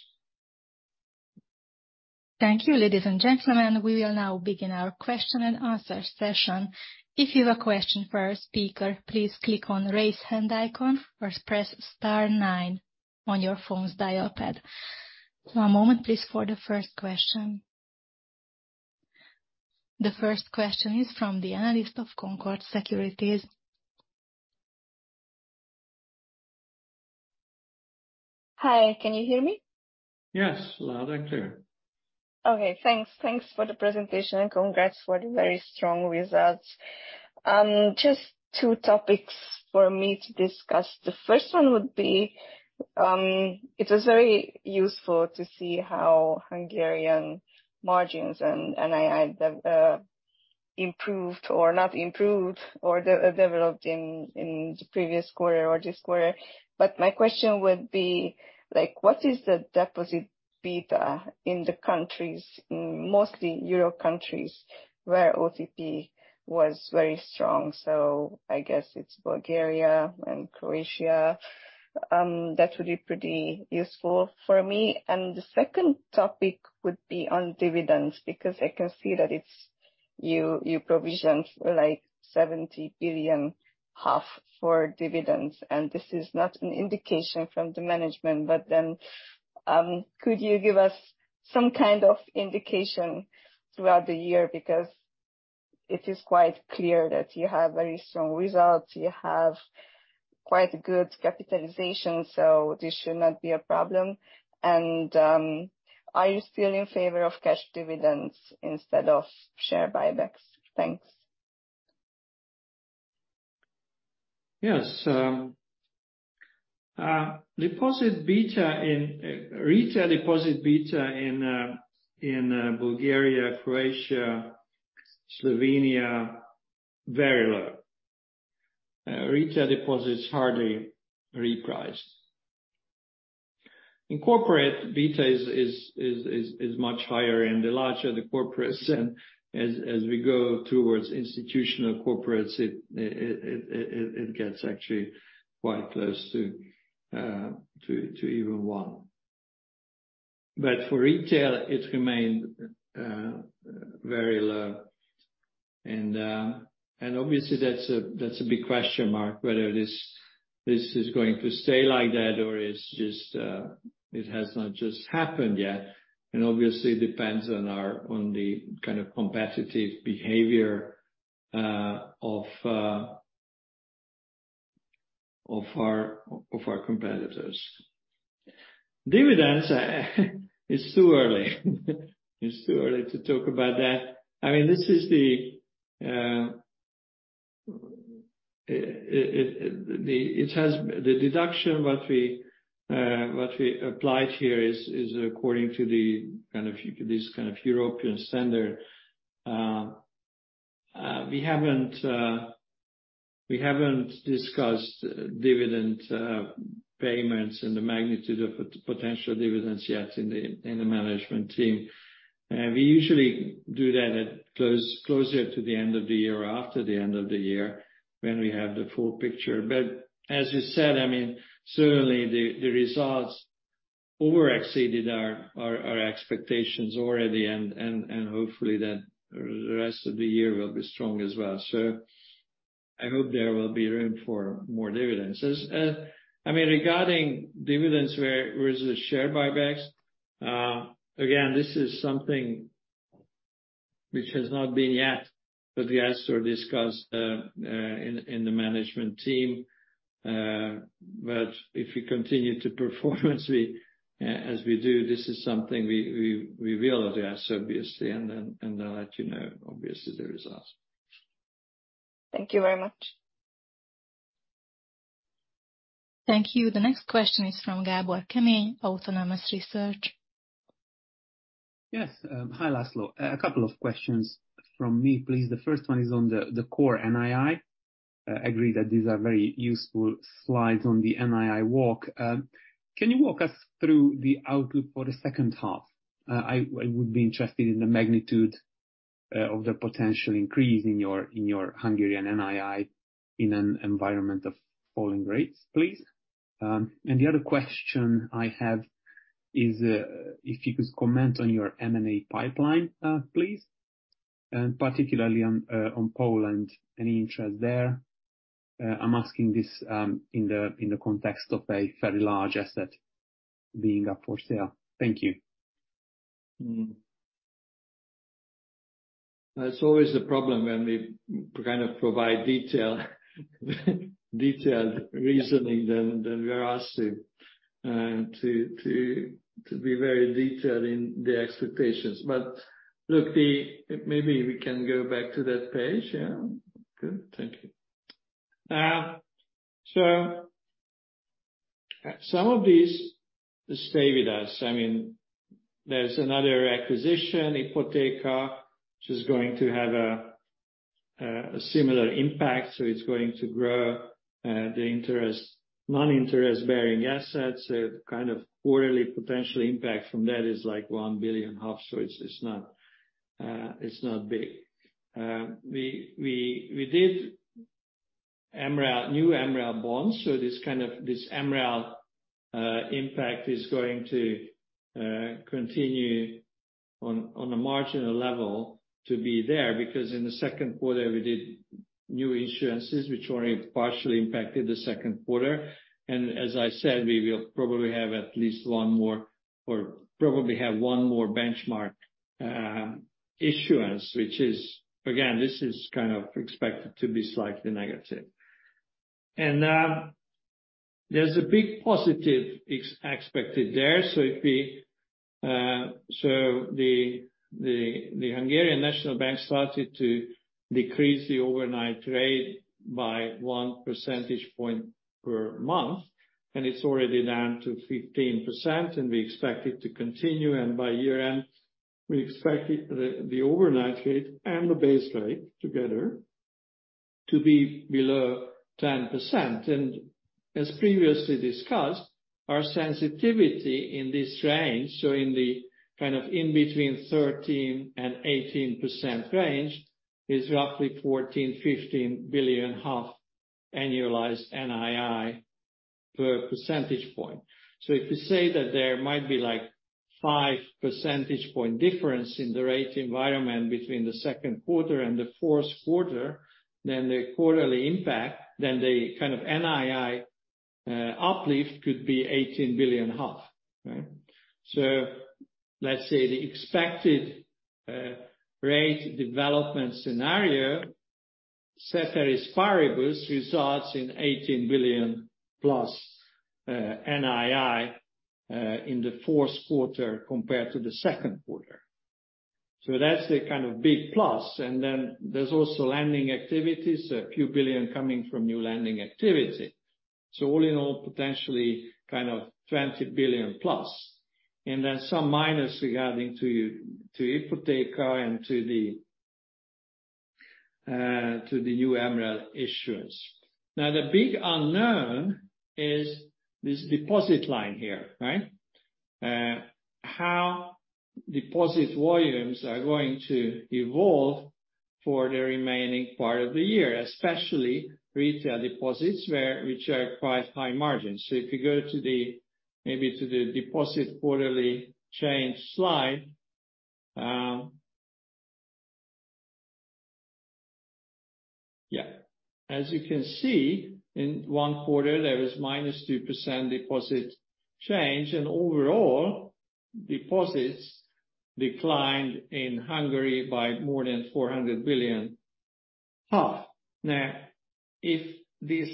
Thank you, ladies and gentlemen. We will now begin our question and answer session. If you have a question for our speaker, please click on Raise Hand icon or press star nine on your phone's dial pad. One moment, please, for the first question. The first question is from the analyst of Concorde Securities. Hi, can you hear me? Yes, loud and clear. Okay, thanks. Thanks for the presentation, and congrats for the very strong results. Just two topics for me to discuss. The first one would be, it was very useful to see how Hungarian margins and, and I, I, improved or not improved or developed in, in the previous quarter or this quarter. My question would be, like, what is the deposit beta in the countries, in mostly Europe countries, where OTP was very strong? I guess it's Bulgaria and Croatia. That would be pretty useful for me. The second topic would be on dividends, because I can see that it's you, you provisioned for, like, 70 billion for dividends, and this is not an indication from the management. Then, could you give us some kind of indication throughout the year? Because it is quite clear that you have very strong results, you have quite good capitalization, so this should not be a problem. Are you still in favor of cash dividends instead of share buybacks? Thanks. Yes. deposit beta in retail deposit beta in Bulgaria, Croatia, Slovenia, very low. retail deposit is hardly repriced. In corporate, beta is much higher and the larger the Corporates, and as we go towards Institutional Corporates, it gets actually quite close to even one. But for retail, it remained very low. Obviously that's a big question mark, whether this is going to stay like that or it's just it has not just happened yet. Obviously, it depends on our on the kind of competitive behavior of our competitors. Dividends, it's too early. It's too early to talk about that. I mean, this is the, it has the deduction what we, what we applied here is, is according to the kind of, this kind of European standard. We haven't, we haven't discussed dividend payments and the magnitude of potential dividends yet in the in the management team. We usually do that at closer to the end of the year or after the end of the year when we have the full picture. As you said, I mean, certainly the the results over-exceeded our our our expectations already, and and and hopefully, then the rest of the year will be strong as well. I hope there will be room for more dividends. As, I mean, regarding dividends where versus share buybacks, again, this is something which has not been yet addressed or discussed, in the management team. If you continue to perform as we, as we do, this is something we, we, we will address, obviously, and then, and I'll let you know, obviously, the results. Thank you very much. Thank you. The next question is from Gabor Kemeny, Autonomous Research. Yes, hi, László. A couple of questions from me, please. The first one is on the, the core NII. I agree that these are very useful slides on the NII walk. Can you walk us through the outlook for the second half? I, I would be interested in the magnitude of the potential increase in your, in your Hungarian NII in an environment of falling rates, please. And the other question I have is, if you could comment on your M&A pipeline, please, and particularly on Poland, any interest there? I'm asking this in the, in the context of a very large asset being up for sale. Thank you. It's always a problem when we kind of provide detail, detailed reasoning, then we are asked to be very detailed in the expectations. Look, maybe we can go back to that page. Yeah. Good. Thank you. Some of these stay with us. I mean, there's another acquisition, Ipoteka, which is going to have a similar impact, so it's going to grow the interest- non-interest-bearing assets. A kind of quarterly potential impact from that is, like, 1.5 billion, it's not big. We did MREL, new MREL bonds, this kind of, this MREL impact is going to continue on a marginal level to be there. In the second quarter, we did new insurances which only partially impacted the second quarter. As I said, we will probably have at least one more or probably have one more benchmark issuance, which is again, this is kind of expected to be slightly negative. There's a big positive expected there. If we... The Hungarian National Bank started to decrease the overnight rate by one percentage point per month, and it's already down to 15%, and we expect it to continue, and by year-end, we expect it, the overnight rate and the base rate together to be below 10%. As previously discussed, our sensitivity in this range, so in the kind of in between 13%-18% range, is roughly 14 billion-15 billion half annualized NII per percentage point. If you say that there might be, like, five percentage point difference in the rate environment between the second quarter and the fourth quarter, then the quarterly impact, then the kind of NII uplift could be 18 billion. Right? Let's say the expected rate development scenario, ceteris paribus, results in 18 billion+ NII in the fourth quarter compared to the second quarter. That's the kind of big plus, and then there's also lending activities, a few billion coming from new lending activity. All in all, potentially kind of 20 billion+, and then some minus regarding to, to Ipoteka and to the new MREL issuance. The big unknown is this deposit line here, right? How deposit volumes are going to evolve for the remaining part of the year, especially retail deposits, which are quite high margins. If you go to the, maybe to the deposit quarterly change slide. As you can see, in one quarter, there is -2% deposit change, and overall, deposits declined in Hungary by more than 400 billion. If this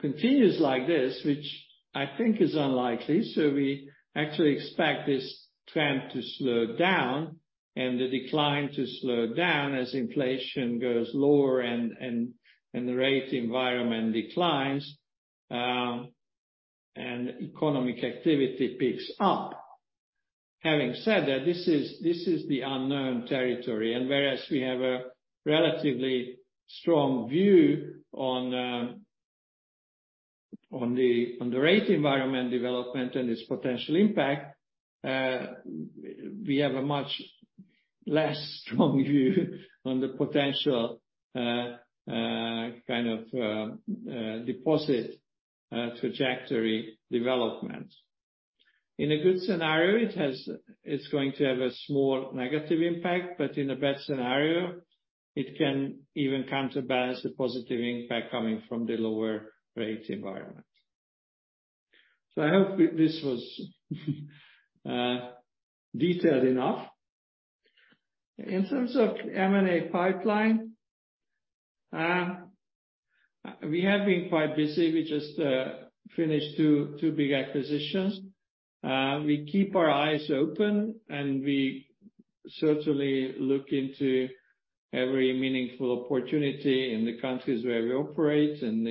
continues like this, which I think is unlikely, so we actually expect this trend to slow down and the decline to slow down as inflation goes lower and the rate environment declines, and economic activity picks up. Having said that, this is, this is the unknown territory, and whereas we have a relatively strong view on the rate environment development and its potential impact, we have a much less strong view on the potential, kind of, deposit trajectory development. In a good scenario, it's going to have a small negative impact, but in a bad scenario, it can even counterbalance the positive impact coming from the lower rate environment. I hope this was detailed enough. In terms of M&A pipeline, we have been quite busy. We just finished two, two big acquisitions. We keep our eyes open, and we certainly look into every meaningful opportunity in the countries where we operate and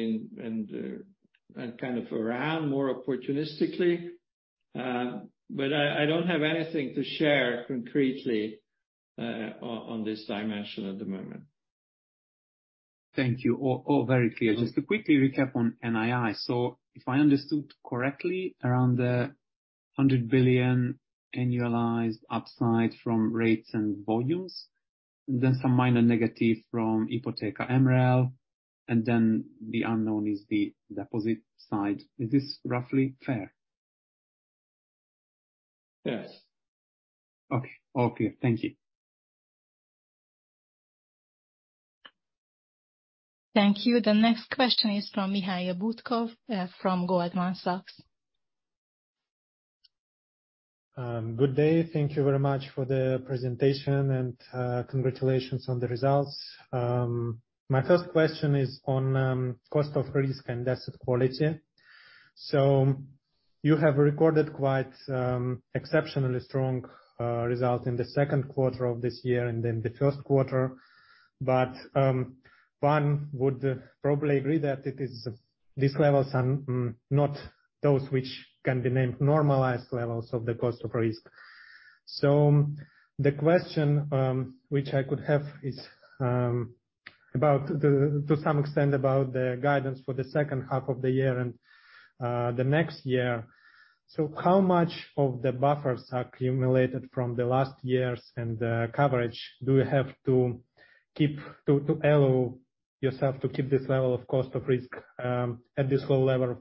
and kind of around, more opportunistically. I, I don't have anything to share concretely, on, on this dimension at the moment. Thank you. All, all very clear. Just to quickly recap on NII. If I understood correctly, around the 100 billion annualized upside from rates and volumes, then some minor negative from Ipoteka MREL, and then the unknown is the deposit side. Is this roughly fair? Yes. Okay. All clear. Thank you. Thank you. The next question is from Mikhail Butkov, from Goldman Sachs. Good day. Thank you very much for the presentation, and congratulations on the results. My first question is on cost of risk and asset quality. You have recorded quite exceptionally strong result in the second quarter of this year and then the first quarter. One would probably agree that it is, these levels are not those which can be named normalized levels of the cost of risk. The question which I could have is to some extent, about the guidance for the second half of the year and the next year. How much of the buffers are accumulated from the last years and coverage do you have to keep, to, to allow yourself to keep this level of cost of risk at this low level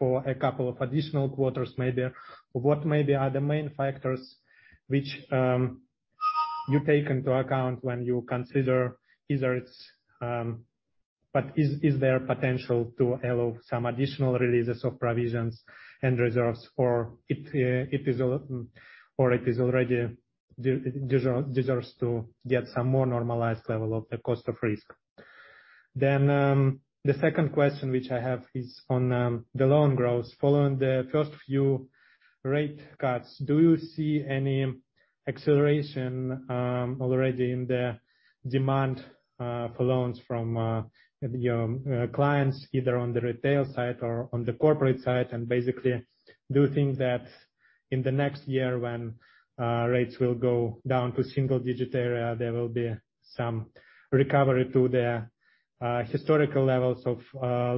for a couple of additional quarters, maybe? What maybe are the main factors which you take into account when you consider, either it's... Is, is there potential to allow some additional releases of provisions and reserves, or it, it is, or it is already de-deserves, deserves to get some more normalized level of the cost of risk? The second question which I have is on the loan growth. Following the first few rate cuts, do you see any acceleration already in the demand for loans from your clients, either on the retail side or on the corporate side? Basically, do you think that in the next year, when rates will go down to single digit area, there will be some recovery to the historical levels of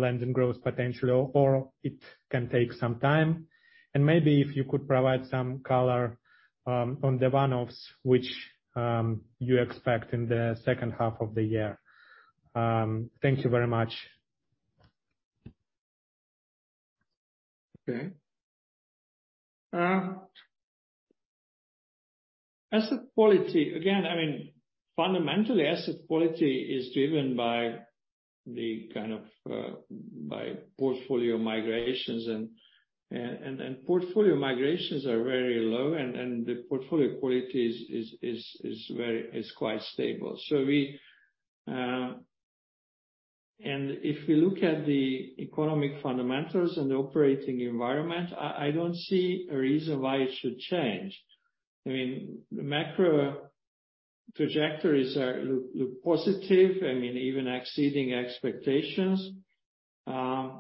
lending growth potentially, or it can take some time? Maybe if you could provide some color on the one-offs, which you expect in the second half of the year. Thank you very much. Okay. Asset quality, again, I mean, fundamentally, asset quality is driven by the kind of, by portfolio migrations. Portfolio migrations are very low, and, and the portfolio quality is, is, is, is very-- is quite stable. We. If we look at the economic fundamentals and the operating environment, I don't see a reason why it should change. I mean, the macro trajectories are, look, look positive, I mean, even exceeding expectations. I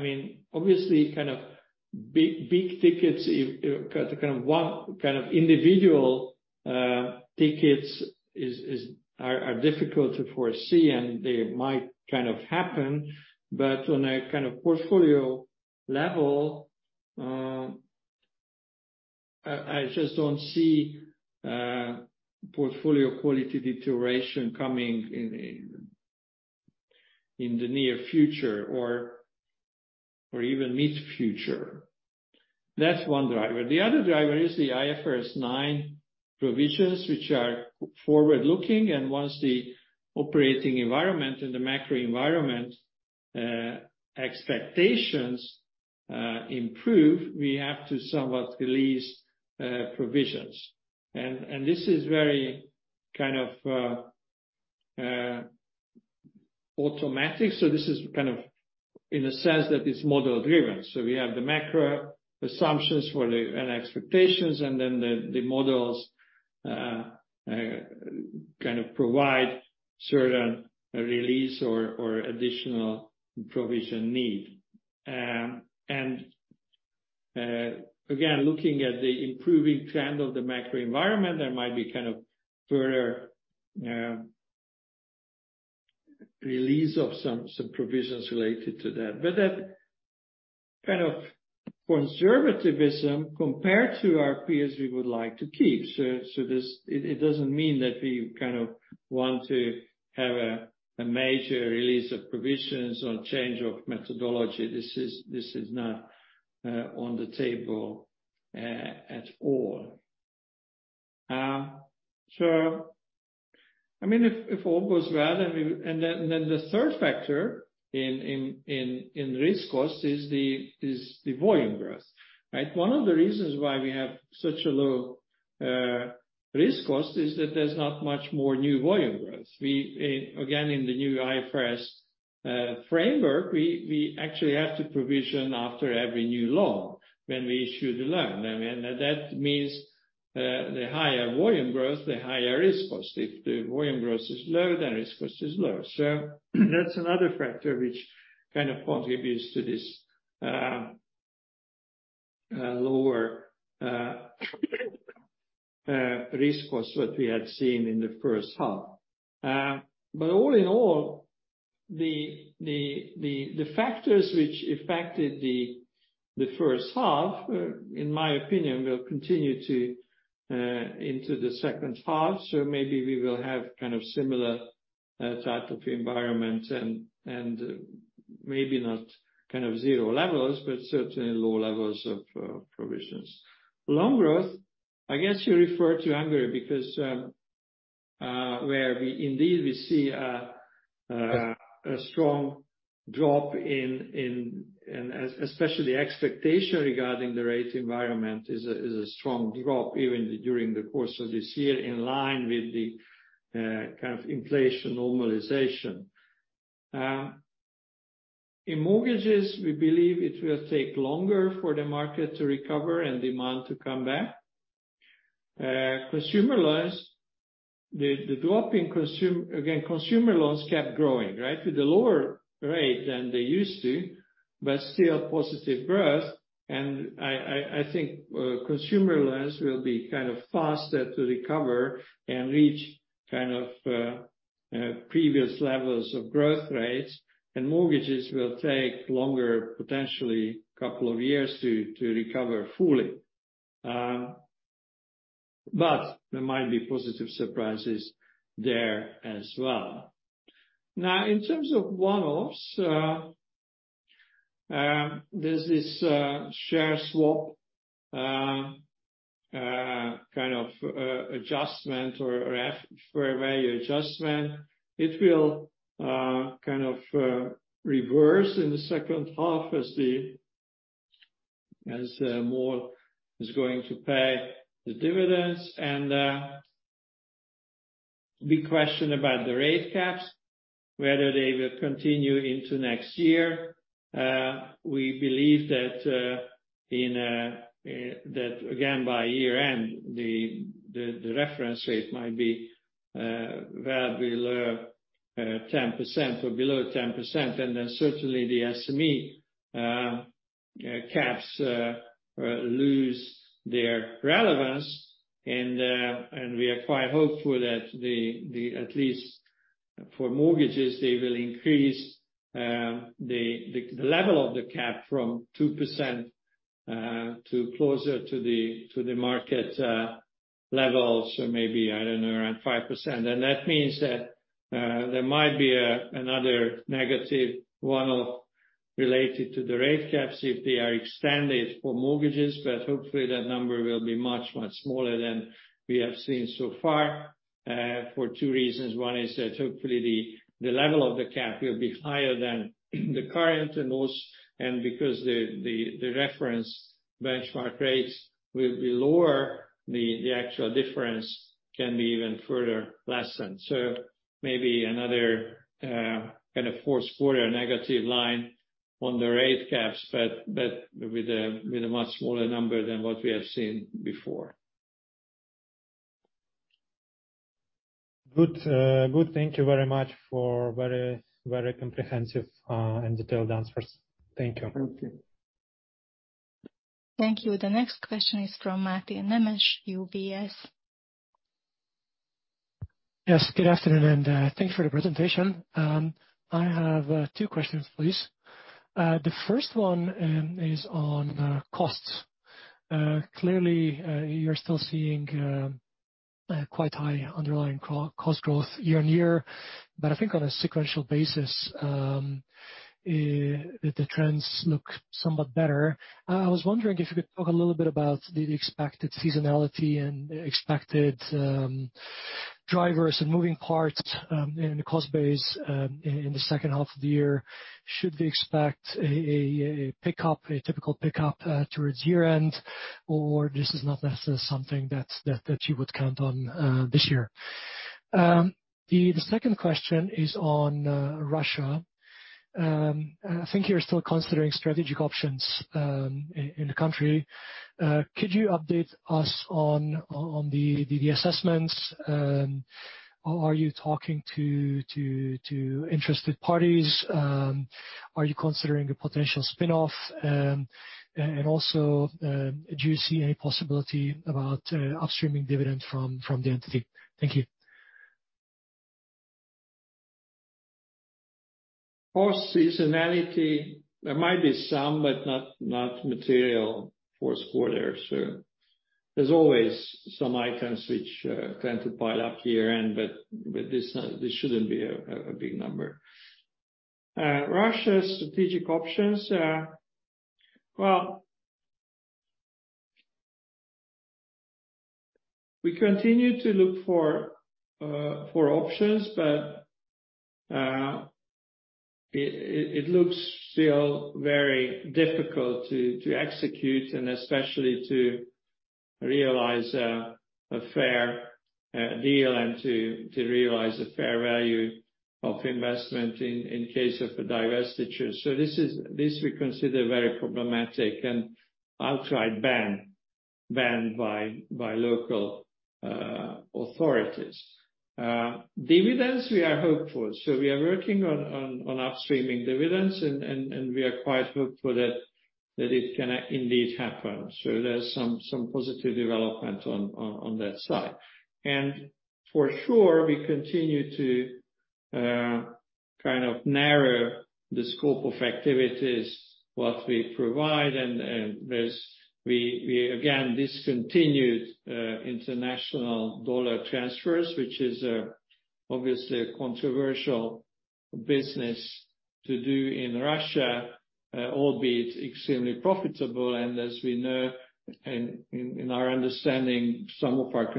mean, obviously, kind of big, big tickets, if, kind of one, kind of individual, tickets is, is, are, are difficult to foresee, and they might kind of happen, but on a kind of portfolio level, I, I just don't see, portfolio quality deterioration coming in, in, in the near future or, or even mid-future. That's one driver. The other driver is the IFRS 9 provisions, which are forward-looking, once the operating environment and the macro environment, expectations, improve, we have to somewhat release, provisions. This is very kind of, automatic. This is kind of in a sense that it's model driven. We have the macro assumptions for the... and expectations, the models, kind of provide certain release or additional provision need. Again, looking at the improving trend of the macro environment, there might be kind of further, release of some provisions related to that. That kind of conservativism, compared to our peers, we would like to keep. It doesn't mean that we kind of want to have a, a major release of provisions or change of methodology. This is, this is not on the table at all. I mean, if, if all goes well, then we... Then, then the third factor in, in, in, in risk cost is the, is the volume growth, right? One of the reasons why we have such a low risk cost is that there's not much more new volume growth. We, again, in the new IFRS framework, we, we actually have to provision after every new loan when we issue the loan. I mean, that means the higher volume growth, the higher risk cost. If the volume growth is low, the risk cost is lower. That's another factor which kind of contributes to this lower risk cost what we had seen in the first half. All in all, the, the, the, the factors which affected the, the first half, in my opinion, will continue to into the second half. Maybe we will have kind of similar type of environment and, and maybe not kind of zero levels, but certainly low levels of provisions. Loan growth, I guess you refer to Hungary because, where we indeed we see a strong drop in, in, and especially expectation regarding the rate environment is a strong drop even during the course of this year, in line with the kind of inflation normalization. In mortgages, we believe it will take longer for the market to recover and demand to come back. Consumer loans, the, the drop in again, consumer loans kept growing, right? With a lower rate than they used to, but still positive growth. I think, consumer loans will be kind of faster to recover and reach kind of, previous levels of growth rates, and mortgages will take longer, potentially a couple of years, to, to recover fully. There might be positive surprises there as well. Now, in terms of one-offs, there's this, share swap, kind of, adjustment or fair value adjustment. It will, kind of, reverse in the second half as more is going to pay the dividends. Big question about the rate caps, whether they will continue into next year. We believe that in that again, by year-end, the reference rate might be well below 10%, or below 10%. Then certainly the SME caps lose their relevance. We are quite hopeful that the at least for mortgages, they will increase the level of the cap from 2% to closer to the market levels, so maybe, I don't know, around 5%. That means that there might be another negative one-off related to the rate caps if they are extended for mortgages, but hopefully that number will be much, much smaller than we have seen so far for two reasons. One is that hopefully the, the level of the cap will be higher than the current and those, and because the, the, the reference benchmark rates will be lower, the, the actual difference can be even further lessened. Maybe another, kind of fourth quarter negative line on the rate caps, but, but with a, with a much smaller number than what we have seen before. Good, good. Thank you very much for very, very comprehensive, and detailed answers. Thank you. Thank you. Thank you. The next question is from Máté Nemes, UBS. Yes, good afternoon, thank you for the presentation. I have two questions, please. The first one is on costs. Clearly, you're still seeing quite high underlying cost growth year-on-year, but I think on a sequential basis, the trends look somewhat better. I was wondering if you could talk a little bit about the expected seasonality and expected drivers and moving parts in the cost base in the second half of the year. Should we expect a typical pickup towards year-end, or this is not necessarily something that you would count on this year? The second question is on Russia. I think you're still considering strategic options in the country. Could you update us on, on the, the assessments? Are you talking to, to, to interested parties? Are you considering a potential spin-off? Also, do you see any possibility about upstreaming dividend from, from the entity? Thank you. Post seasonality, there might be some, but not, not material for a quarter. There's always some items which tend to pile up year-end, but this, this shouldn't be a, a big number. Russia's strategic options, well, we continue to look for for options, but it, it, it looks still very difficult to, to execute, and especially to realize a fair deal and to, to realize a fair value of investment in, in case of a divestiture. This is-- this we consider very problematic and outright banned, banned by, by local authorities. Dividends, we are hopeful. We are working on, on, on upstreaming dividends and, and, and we are quite hopeful that, that it can indeed happen. There's some, some positive development on, on, on that side. For sure, we continue to kind of narrow the scope of activities, what we provide, and we again discontinued international dollar transfers, which is obviously a controversial business to do in Russia, albeit extremely profitable. As we know, and in our understanding, some of our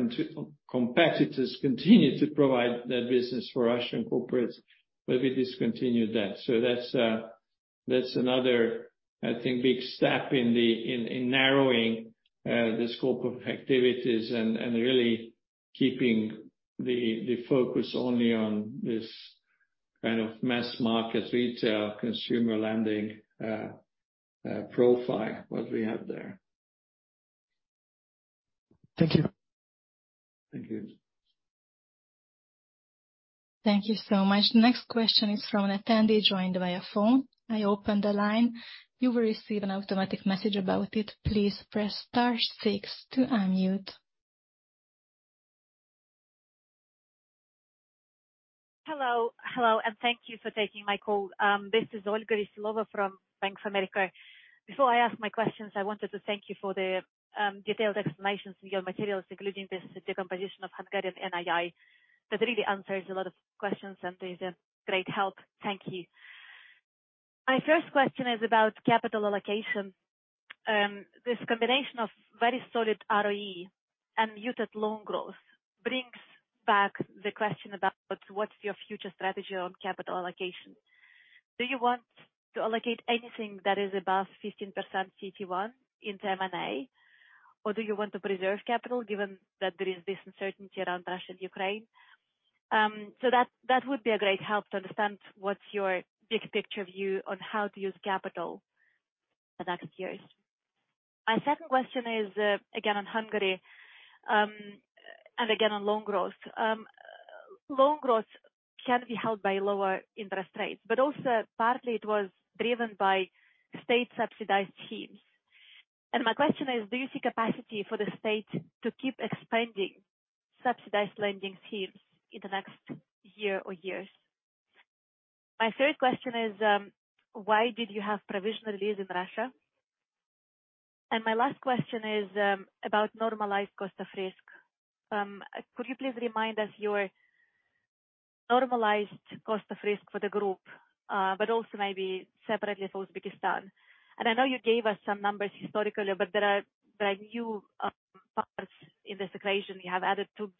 competitors continue to provide that business for Russian corporates, but we discontinued that. That's, that's another, I think, big step in narrowing the scope of activities and really keeping the focus only on this kind of mass market, retail, consumer lending profile, what we have there. Thank you. Thank you. Thank you so much. The next question is from an attendee joined via phone. I open the line. You will receive an automatic message about it. Please press star six to unmute. Hello. Hello, and thank you for taking my call. This is Olga Grishina from Bank of America. Before I ask my questions, I wanted to thank you for the detailed explanations in your materials, including this, the composition of Hungarian NII. That really answers a lot of questions and is a great help. Thank you. My first question is about capital allocation. This combination of very solid ROE and muted loan growth brings back the question about what's your future strategy on capital allocation. Do you want to allocate anything that is above 15% CET1 into M&A, or do you want to preserve capital, given that there is this uncertainty around Russia and Ukraine? That, that would be a great help to understand what's your big picture view on how to use capital the next years. My second question is, again, on Hungary, and again on loan growth. Loan growth can be held by lower interest rates, but also partly it was driven by state-subsidized schemes. My question is: Do you see capacity for the state to keep expanding subsidized lending teams in the next year or years? My third question is: Why did you have provisional release in Russia? My last question is about normalized cost of risk. Could you please remind us your normalized cost of risk for the group, but also maybe separately for Uzbekistan? I know you gave us some numbers historically, but there are brand new parts in this equation. You have added 2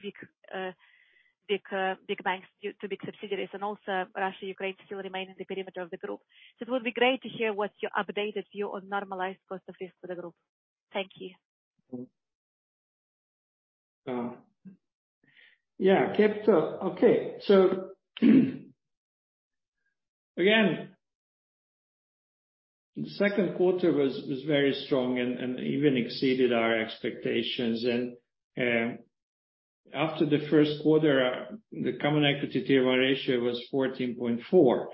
big banks to big subsidiaries, and also Russia, Ukraine still remain in the perimeter of the group. It would be great to hear what's your updated view on normalized cost of risk for the group. Thank you. Yeah, capital. Okay, again. The second quarter was very strong and even exceeded our expectations. After the first quarter, the Common Equity Tier 1 ratio was 14.4.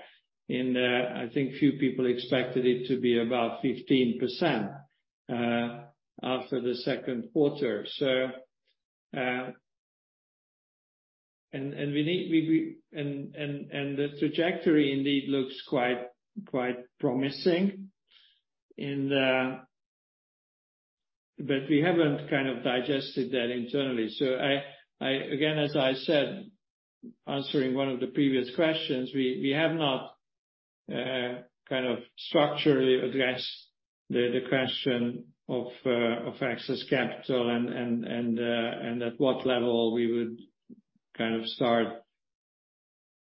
I think few people expected it to be about 15% after the second quarter. The trajectory indeed looks quite promising in the-- but we haven't kind of digested that internally. Again, as I said, answering one of the previous questions, we have not kind of structurally addressed the question of excess capital and at what level we would kind of start.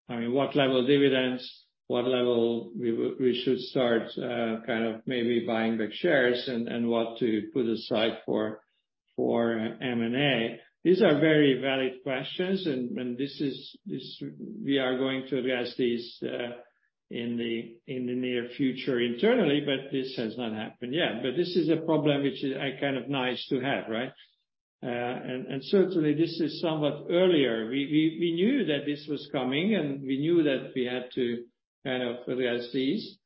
I mean, what level of dividends, what level we should start, kind of maybe buying back shares and, and what to put aside for, for M&A. These are very valid questions, and, and this is, we are going to address these in the, in the near future internally, but this has not happened yet. This is a problem which is, kind of nice to have, right? Certainly this is somewhat earlier. We, we, we knew that this was coming, and we knew that we had to kind of realize these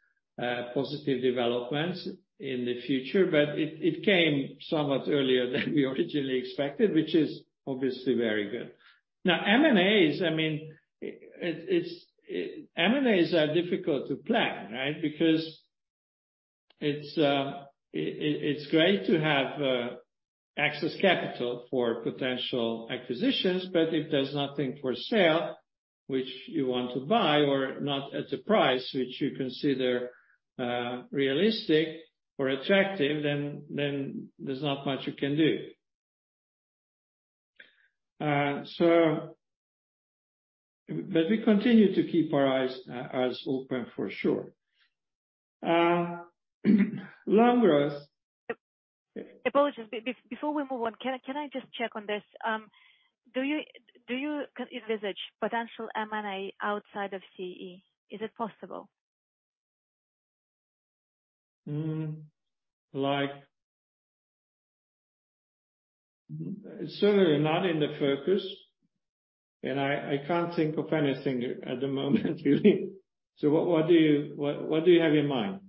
positive developments in the future, but it, it came somewhat earlier than we originally expected, which is obviously very good. Now, M&As, I mean, M&As are difficult to plan, right? It's, it's great to have access capital for potential acquisitions, but if there's nothing for sale which you want to buy, or not at a price which you consider realistic or attractive, then, then there's not much you can do. But we continue to keep our eyes open for sure. Loan growth- Apologies. Before we move on, can I, can I just check on this? Do you, do you envisage potential M&A outside of CE? Is it possible? Hmm, like... Certainly not in the focus, and I, I can't think of anything at the moment, really. What, what do you, what, what do you have in mind?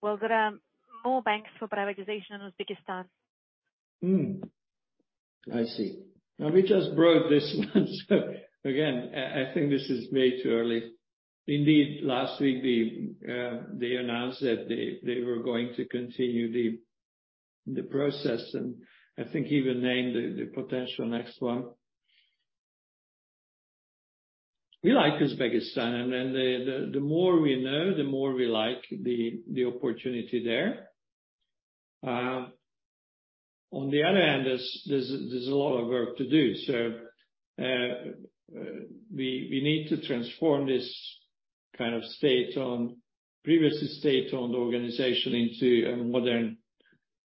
Well, there are more banks for privatization in Uzbekistan. I see. We just brought this one, so again, I, I think this is way too early. Indeed, last week, they announced that they, they were going to continue the, the process, and I think even named the, the potential next one. We like Uzbekistan, and then the, the, the more we know, the more we like the, the opportunity there. On the other hand, there's, there's, there's a lot of work to do. We, we need to transform this kind of state-owned, previous state-owned organization into a modern,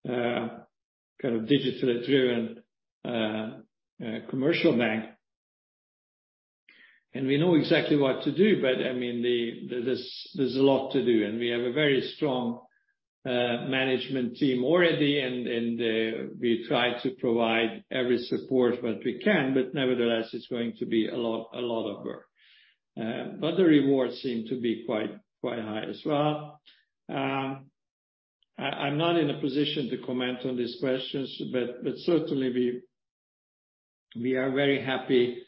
kind of digitally driven, commercial bank. We know exactly what to do, but, I mean, there's, there's a lot to do, and we have a very strong management team already and, and, we try to provide every support that we can, but nevertheless, it's going to be a lot, a lot of work. The rewards seem to be quite, quite high as well. I, I'm not in a position to comment on these questions, but, but certainly we, we are very happy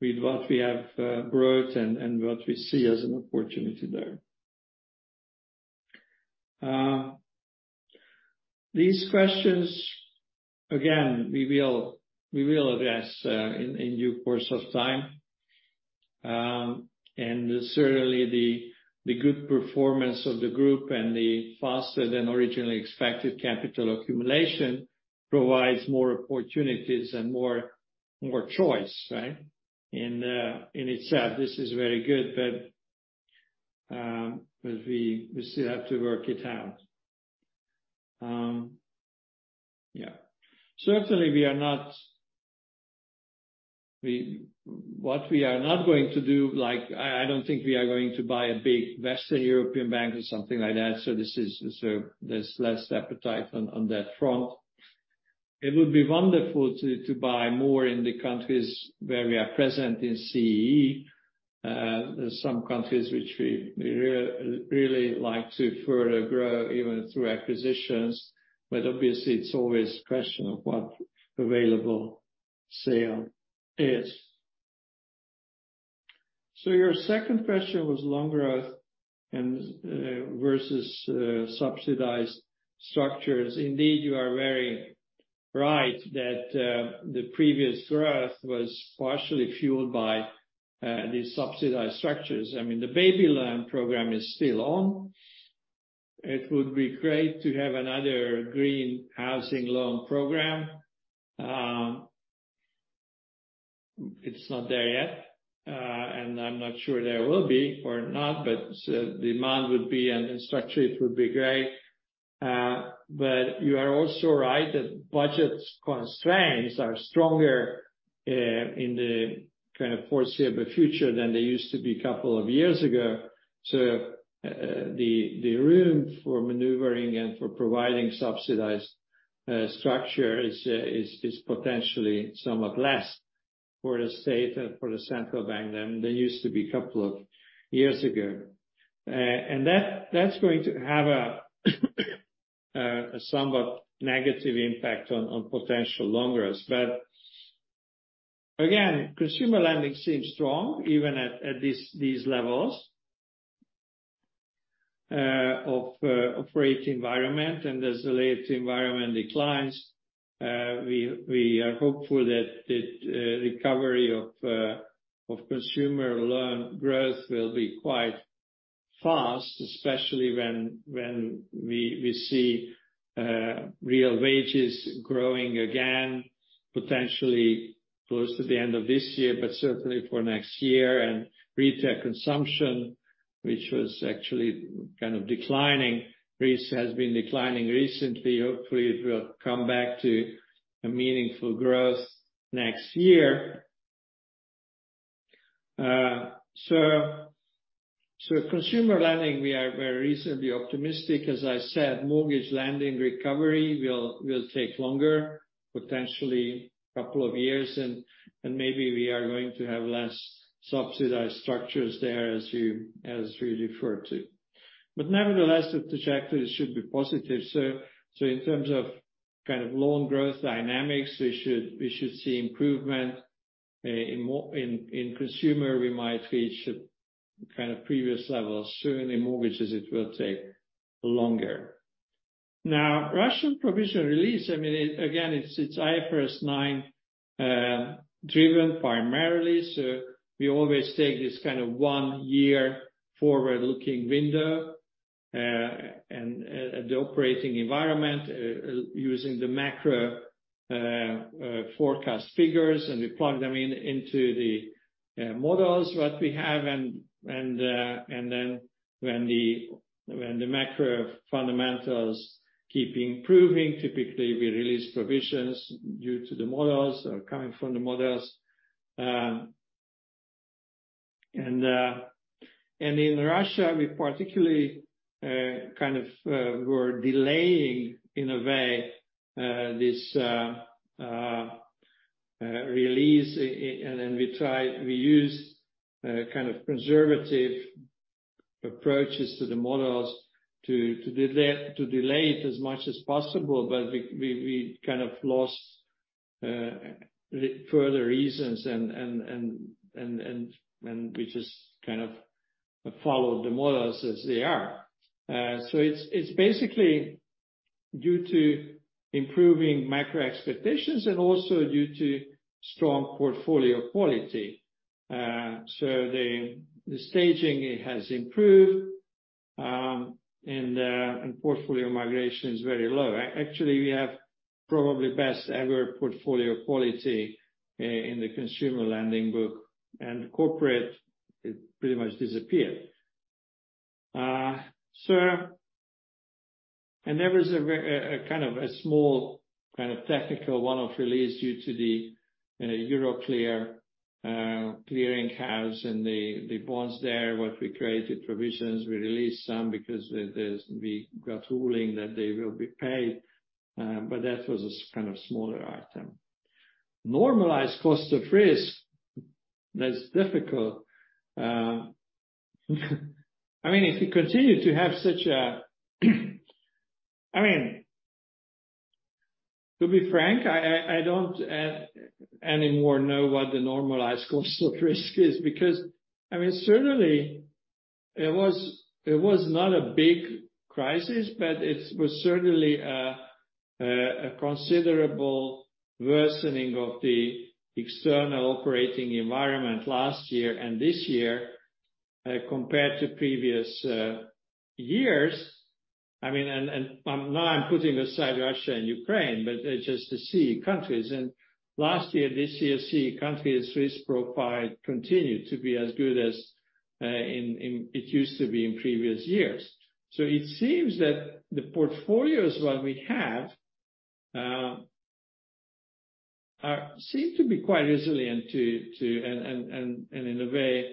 with what we have brought and, and what we see as an opportunity there. These questions, again, we will, we will address in, in due course of time. Certainly the, the good performance of the group and the faster than originally expected capital accumulation provides more opportunities and more, more choice, right? In itself, this is very good, but we still have to work it out. Yeah. Certainly, we are not... What we are not going to do, like, I, I don't think we are going to buy a big Western European bank or something like that, so this is so there's less appetite on that front. It would be wonderful to buy more in the countries where we are present in CE. There's some countries which we really like to further grow, even through acquisitions, but obviously it's always a question of what available sale is. Your second question was loan growth and versus subsidized structures. Indeed, you are very right that the previous growth was partially fueled by these subsidized structures. I mean, the Baby Loan program is still on. It would be great to have another green housing loan program. It's not there yet, and I'm not sure there will be or not, but demand would be, and the structure, it would be great. You are also right that budget constraints are stronger in the kind of foreseeable future than they used to be a couple of years ago. The room for maneuvering and for providing subsidized structure is potentially somewhat less for the state and for the central bank than they used to be a couple of years ago. That, that's going to have a somewhat negative impact on potential loan growth. Again, consumer lending seems strong even at these levels of operating environment. As the late environment declines, we are hopeful that the recovery of consumer loan growth will be quite fast, especially when we see real wages growing again, potentially close to the end of this year, but certainly for next year. Retail consumption, which was actually kind of declining, retail has been declining recently. Hopefully, it will come back to a meaningful growth next year. Consumer lending, we are very reasonably optimistic. As I said, mortgage lending recovery will take longer, potentially a couple of years, and maybe we are going to have less subsidized structures there as we refer to. Nevertheless, the trajectory should be positive. In terms of kind of loan growth dynamics, we should see improvement in more... In consumer, we might reach kind of previous levels. Certainly mortgages, it will take longer. Now, Russian provision release, I mean, again, it's IFRS 9 driven primarily. We always take this kind of 1 year forward-looking window, and the operating environment, using the macro forecast figures, and we plug them in into the models that we have. Then when the macro fundamentals keep improving, typically we release provisions due to the models or coming from the models. In Russia, we particularly kind of we're delaying, in a way, this release. Then we try, we use kind of conservative approaches to the models to, to delay, to delay it as much as possible. We, we, we kind of lost for other reasons and, and, and, and, and we just kind of followed the models as they are. It's, it's basically due to improving macro expectations and also due to strong portfolio quality. The, the staging has improved, and portfolio migration is very low. Actually, we have probably best ever portfolio quality in the consumer lending book, and corporate, it pretty much disappeared. And there was a kind of a small, kind of technical, one-off release due to the, you know, Euroclear clearing house and the, the bonds there, what we created provisions. We released some because we got ruling that they will be paid, but that was a kind of smaller item. Normalized cost of risk, that's difficult. I mean, if you continue to have such a... I mean, to be frank, I, I, I don't anymore know what the normalized cost of risk is, because, I mean, certainly it was, it was not a big crisis, but it was certainly a considerable worsening of the external operating environment last year and this year, compared to previous years. I mean, and, and now I'm putting aside Russia and Ukraine, but it's just the C countries. Last year, this year, C countries risk profile continued to be as good as in, in-- it used to be in previous years. It seems that the portfolios, what we have, seem to be quite resilient to, to... and, and, and in a way,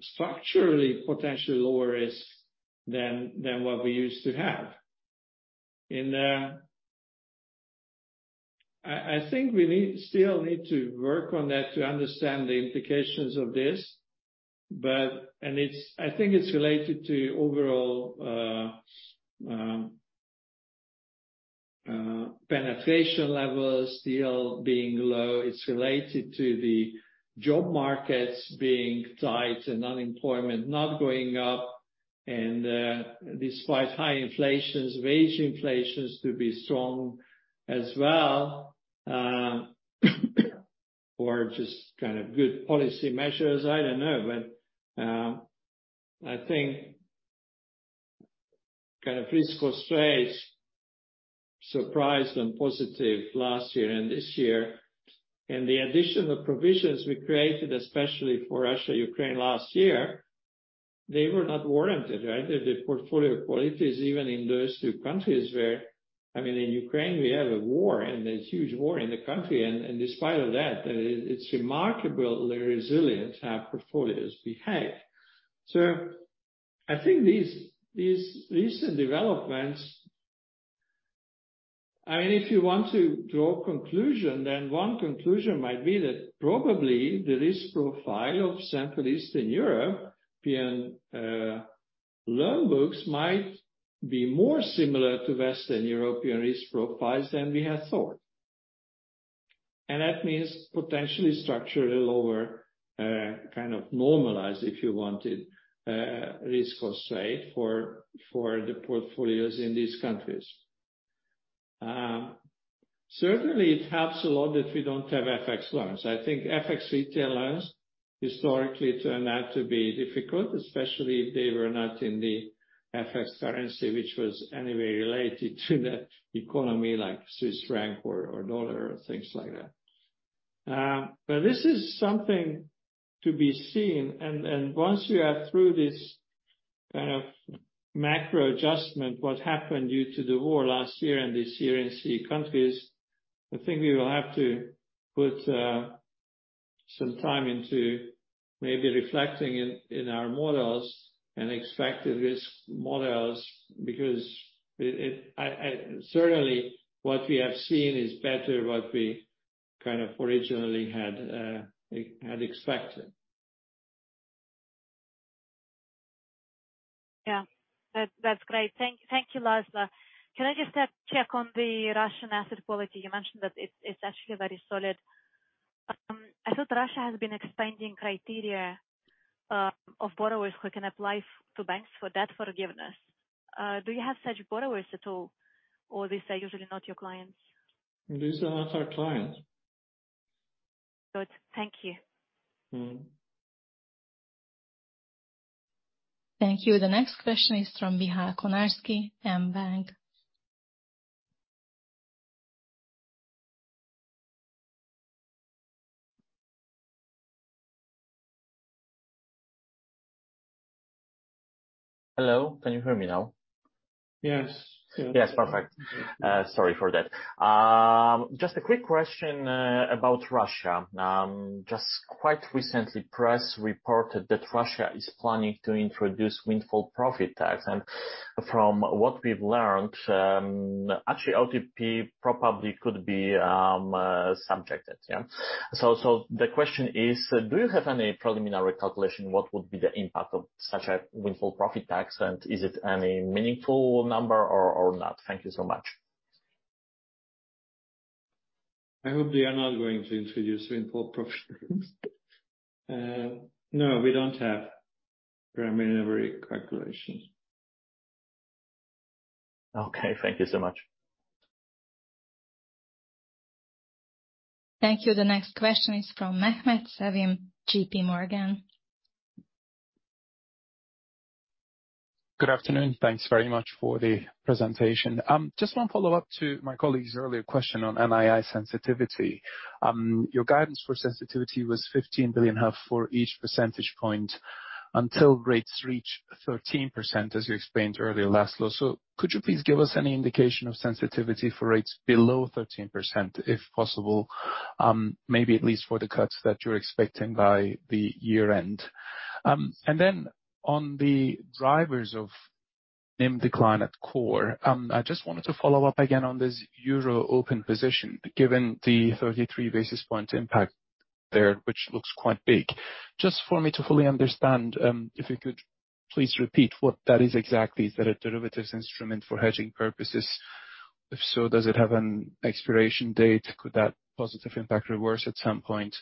structurally, potentially lower risk than, than what we used to have. I, I think we still need to work on that to understand the implications of this. I think it's related to overall penetration levels still being low. It's related to the job markets being tight and unemployment not going up, and despite high inflations, wage inflations to be strong as well, or just kind of good policy measures. I don't know, I think kind of surprised and positive last year and this year. The additional provisions we created, especially for Russia, Ukraine last year, they were not warranted, right? The, the portfolio quality is even in those two countries where, I mean, in Ukraine, we have a war, and a huge war in the country. Despite of that, it's remarkably resilient, our portfolios behave. I think these, these recent developments. I mean, if you want to draw a conclusion, then one conclusion might be that probably the risk profile of Central Eastern Europe in loan books might be more similar to Western European risk profiles than we had thought. That means potentially structurally lower, kind of normalized, if you wanted, risk or say, for, for the portfolios in these countries. Certainly it helps a lot if we don't have FX loans. I think FX retail loans historically turned out to be difficult, especially if they were not in the FX currency, which was anyway related to the economy, like Swiss franc or, or dollar, or things like that. But this is something to be seen. Once you are through this kind of macro adjustment, what happened due to the war last year and this year in CE countries, I think we will have to put some time into maybe reflecting in our models and expected risk models. Because certainly what we have seen is better what we kind of originally had had expected. Yeah, that, that's great. Thank, thank you, László. Can I just have check on the Russian asset quality? You mentioned that it's, it's actually very solid. I thought Russia has been expanding criteria of borrowers who can apply to banks for debt forgiveness. Do you have such borrowers at all, or these are usually not your clients? These are not our clients. Good. Thank you. Mm-hmm. Thank you. The next question is from Michał Konarski, mBank. Hello, can you hear me now? Yes. Yes, perfect. Sorry for that. Just a quick question about Russia. Just quite recently, press reported that Russia is planning to introduce windfall profit tax. From what we've learned, actually, OTP probably could be subjected, yeah? The question is, do you have any preliminary calculation, what would be the impact of such a windfall profit tax? Is it any meaningful number or not? Thank you so much. I hope they are not going to introduce windfall profit. No, we don't have preliminary calculations. Okay, thank you so much. Thank you. The next question is from Mehmet Sevim, JPMorgan. Good afternoon. Thanks very much for the presentation. Just one follow-up to my colleague's earlier question on NII sensitivity. Your guidance for sensitivity was 15 billion for each percentage point, until rates reach 13%, as you explained earlier, László. Could you please give us any indication of sensitivity for rates below 13%, if possible, maybe at least for the cuts that you're expecting by the year end? On the drivers of NIM decline at core, I just wanted to follow up again on this euro open position, given the 33 basis point impact there, which looks quite big. Just for me to fully understand, if you could please repeat what that is exactly. Is that a derivatives instrument for hedging purposes? If so, does it have an expiration date? Could that positive impact reverse at some point?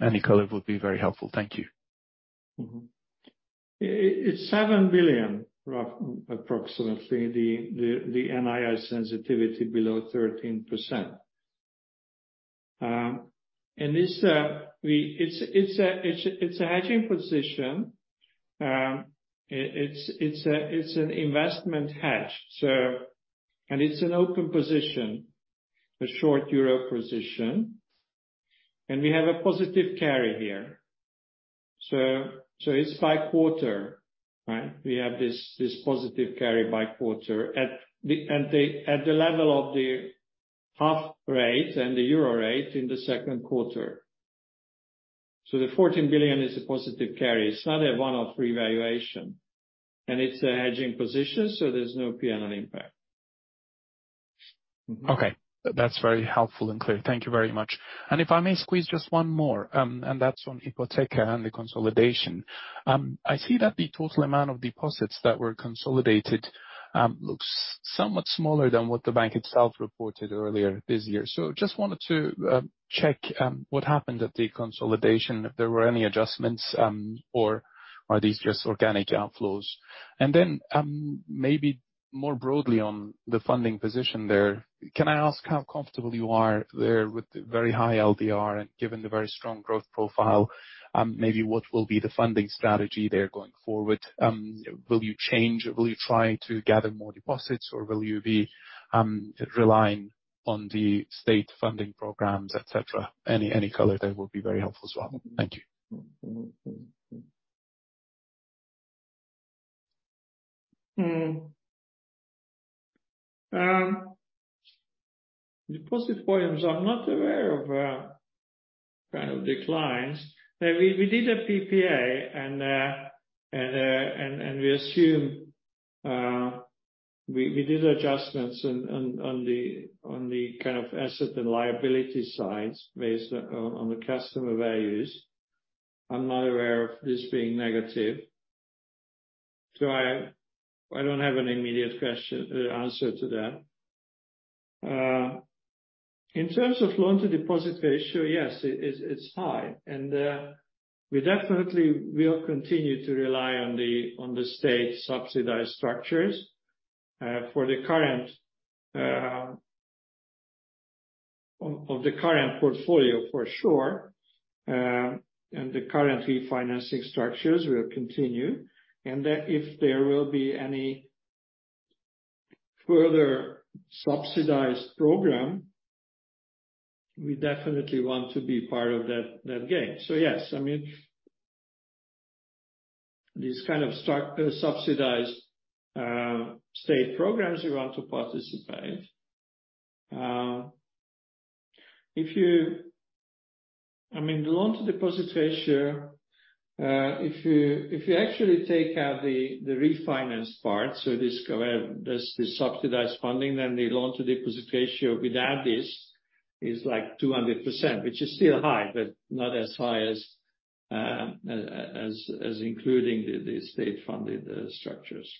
Any color would be very helpful. Thank you. Mm-hmm. It's 7 billion approximately, the NII sensitivity below 13%. It's a hedging position. It's an investment hedge, so. It's an open position, a short euro position, and we have a positive carry here. It's by quarter, right? We have this positive carry by quarter at the level of the half rate and the euro rate in the second quarter. The 14 billion is a positive carry. It's not a one-off revaluation, and it's a hedging position, so there's no PNL impact. Mm-hmm. Okay. That's very helpful and clear. Thank you very much. If I may squeeze just one more, and that's on Ipoteka and the consolidation. I see that the total amount of deposits that were consolidated, looks somewhat smaller than what the bank itself reported earlier this year. Just wanted to check what happened at the consolidation, if there were any adjustments, or are these just organic outflows? Then, maybe more broadly on the funding position there, can I ask how comfortable you are there with the very high LDR, and given the very strong growth profile, maybe what will be the funding strategy there going forward? Will you change, or will you try to gather more deposits, or will you be relying- .On the state funding programs, etc.. Any, any color there will be very helpful as well. Thank you. Deposit volumes, I'm not aware of, kind of declines. We, we did a PPA, and, and, and we assume, we, we did adjustments on, on, on the, on the kind of asset and liability sides based on, on the customer values. I'm not aware of this being negative, so I, I don't have an immediate answer to that. In terms of loan to deposit ratio, yes, it is, it's high, and we definitely will continue to rely on the, on the state subsidized structures, for the current, of, of the current portfolio, for sure. The current refinancing structures will continue, and then if there will be any further subsidized program, we definitely want to be part of that, that game. Yes, I mean, these kind of subsidized state programs, we want to participate. If you-- I mean, the loan to deposit ratio, if you, if you actually take out the, the refinance part, so this, this, the subsidized funding, then the loan to deposit ratio without this is, like, 200%, which is still high, but not as high as, as, as including the, the state-funded structures.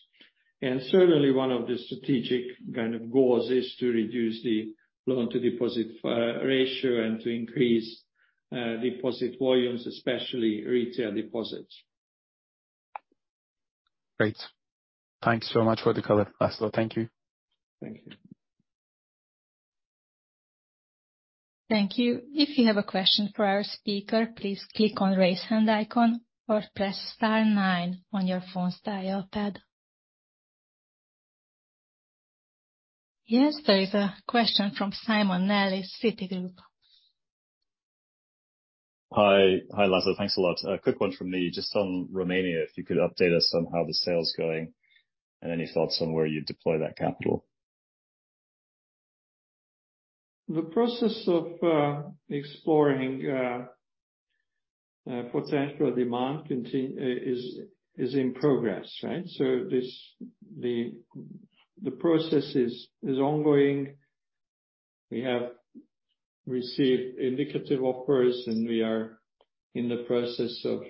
Certainly, one of the strategic kind of goals is to reduce the loan to deposit ratio and to increase deposit volumes, especially retail deposits. Great. Thanks so much for the color, László. Thank you. Thank you. Thank you. If you have a question for our speaker, please click on Raise Hand icon or press star nine on your phone's dial pad. Yes, there is a question from Simon Nellis, Citigroup. Hi. Hi, László. Thanks a lot. A quick one from me, just on Romania, if you could update us on how the sale is going, and any thoughts on where you'd deploy that capital? The process of exploring potential demand is in progress, right? This, the, the process is, is ongoing. We have received indicative offers, and we are in the process of...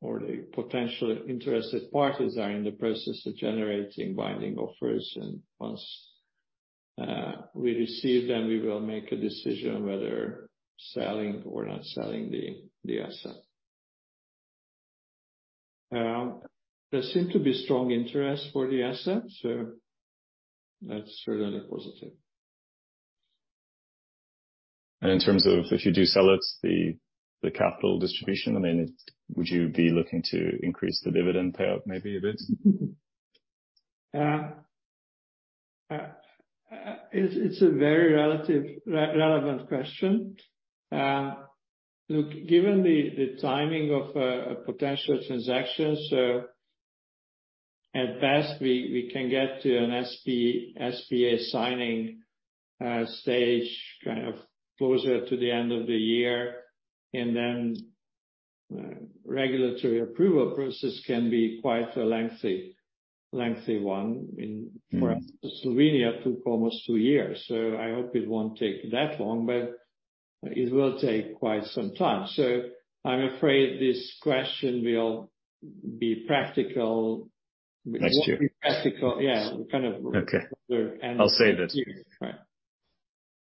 or the potential interested parties are in the process of generating binding offers. Once we receive them, we will make a decision whether selling or not selling the, the asset. There seem to be strong interest for the asset, so that's certainly positive. In terms of if you do sell it, the, the capital distribution, I mean, would you be looking to increase the dividend payout maybe a bit? It's, it's a very relative relevant question. Look, given the, the timing of a, a potential transaction, so at best, we, we can get to an SPA signing, stage kind of closer to the end of the year, and then, regulatory approval process can be quite a lengthy, lengthy one. Mm. For Slovenia, took almost two years. I hope it won't take that long, but it will take quite some time. I'm afraid this question will be. Next year. Be practical. Yeah, kind of. Okay. I'll save it. Right.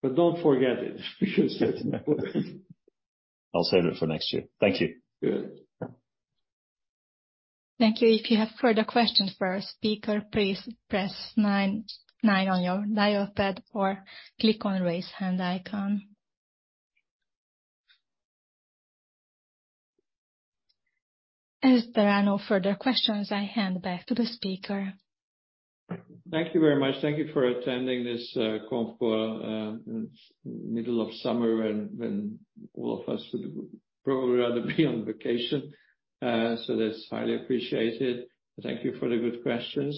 Don't forget it. I'll save it for next year. Thank you. Good. Thank you. If you have further questions for our speaker, please press nine, nine on your dial pad or click on Raise Hand icon. As there are no further questions, I hand back to the speaker. Thank you very much. Thank you for attending this call for in middle of summer when all of us would probably rather be on vacation. That's highly appreciated. Thank you for the good questions.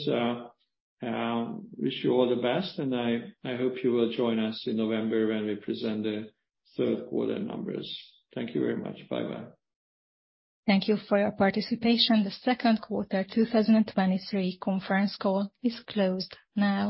Wish you all the best, and I hope you will join us in November when we present the third quarter numbers. Thank you very much. Bye-bye. Thank you for your participation. The second quarter of 2023 conference call is closed now.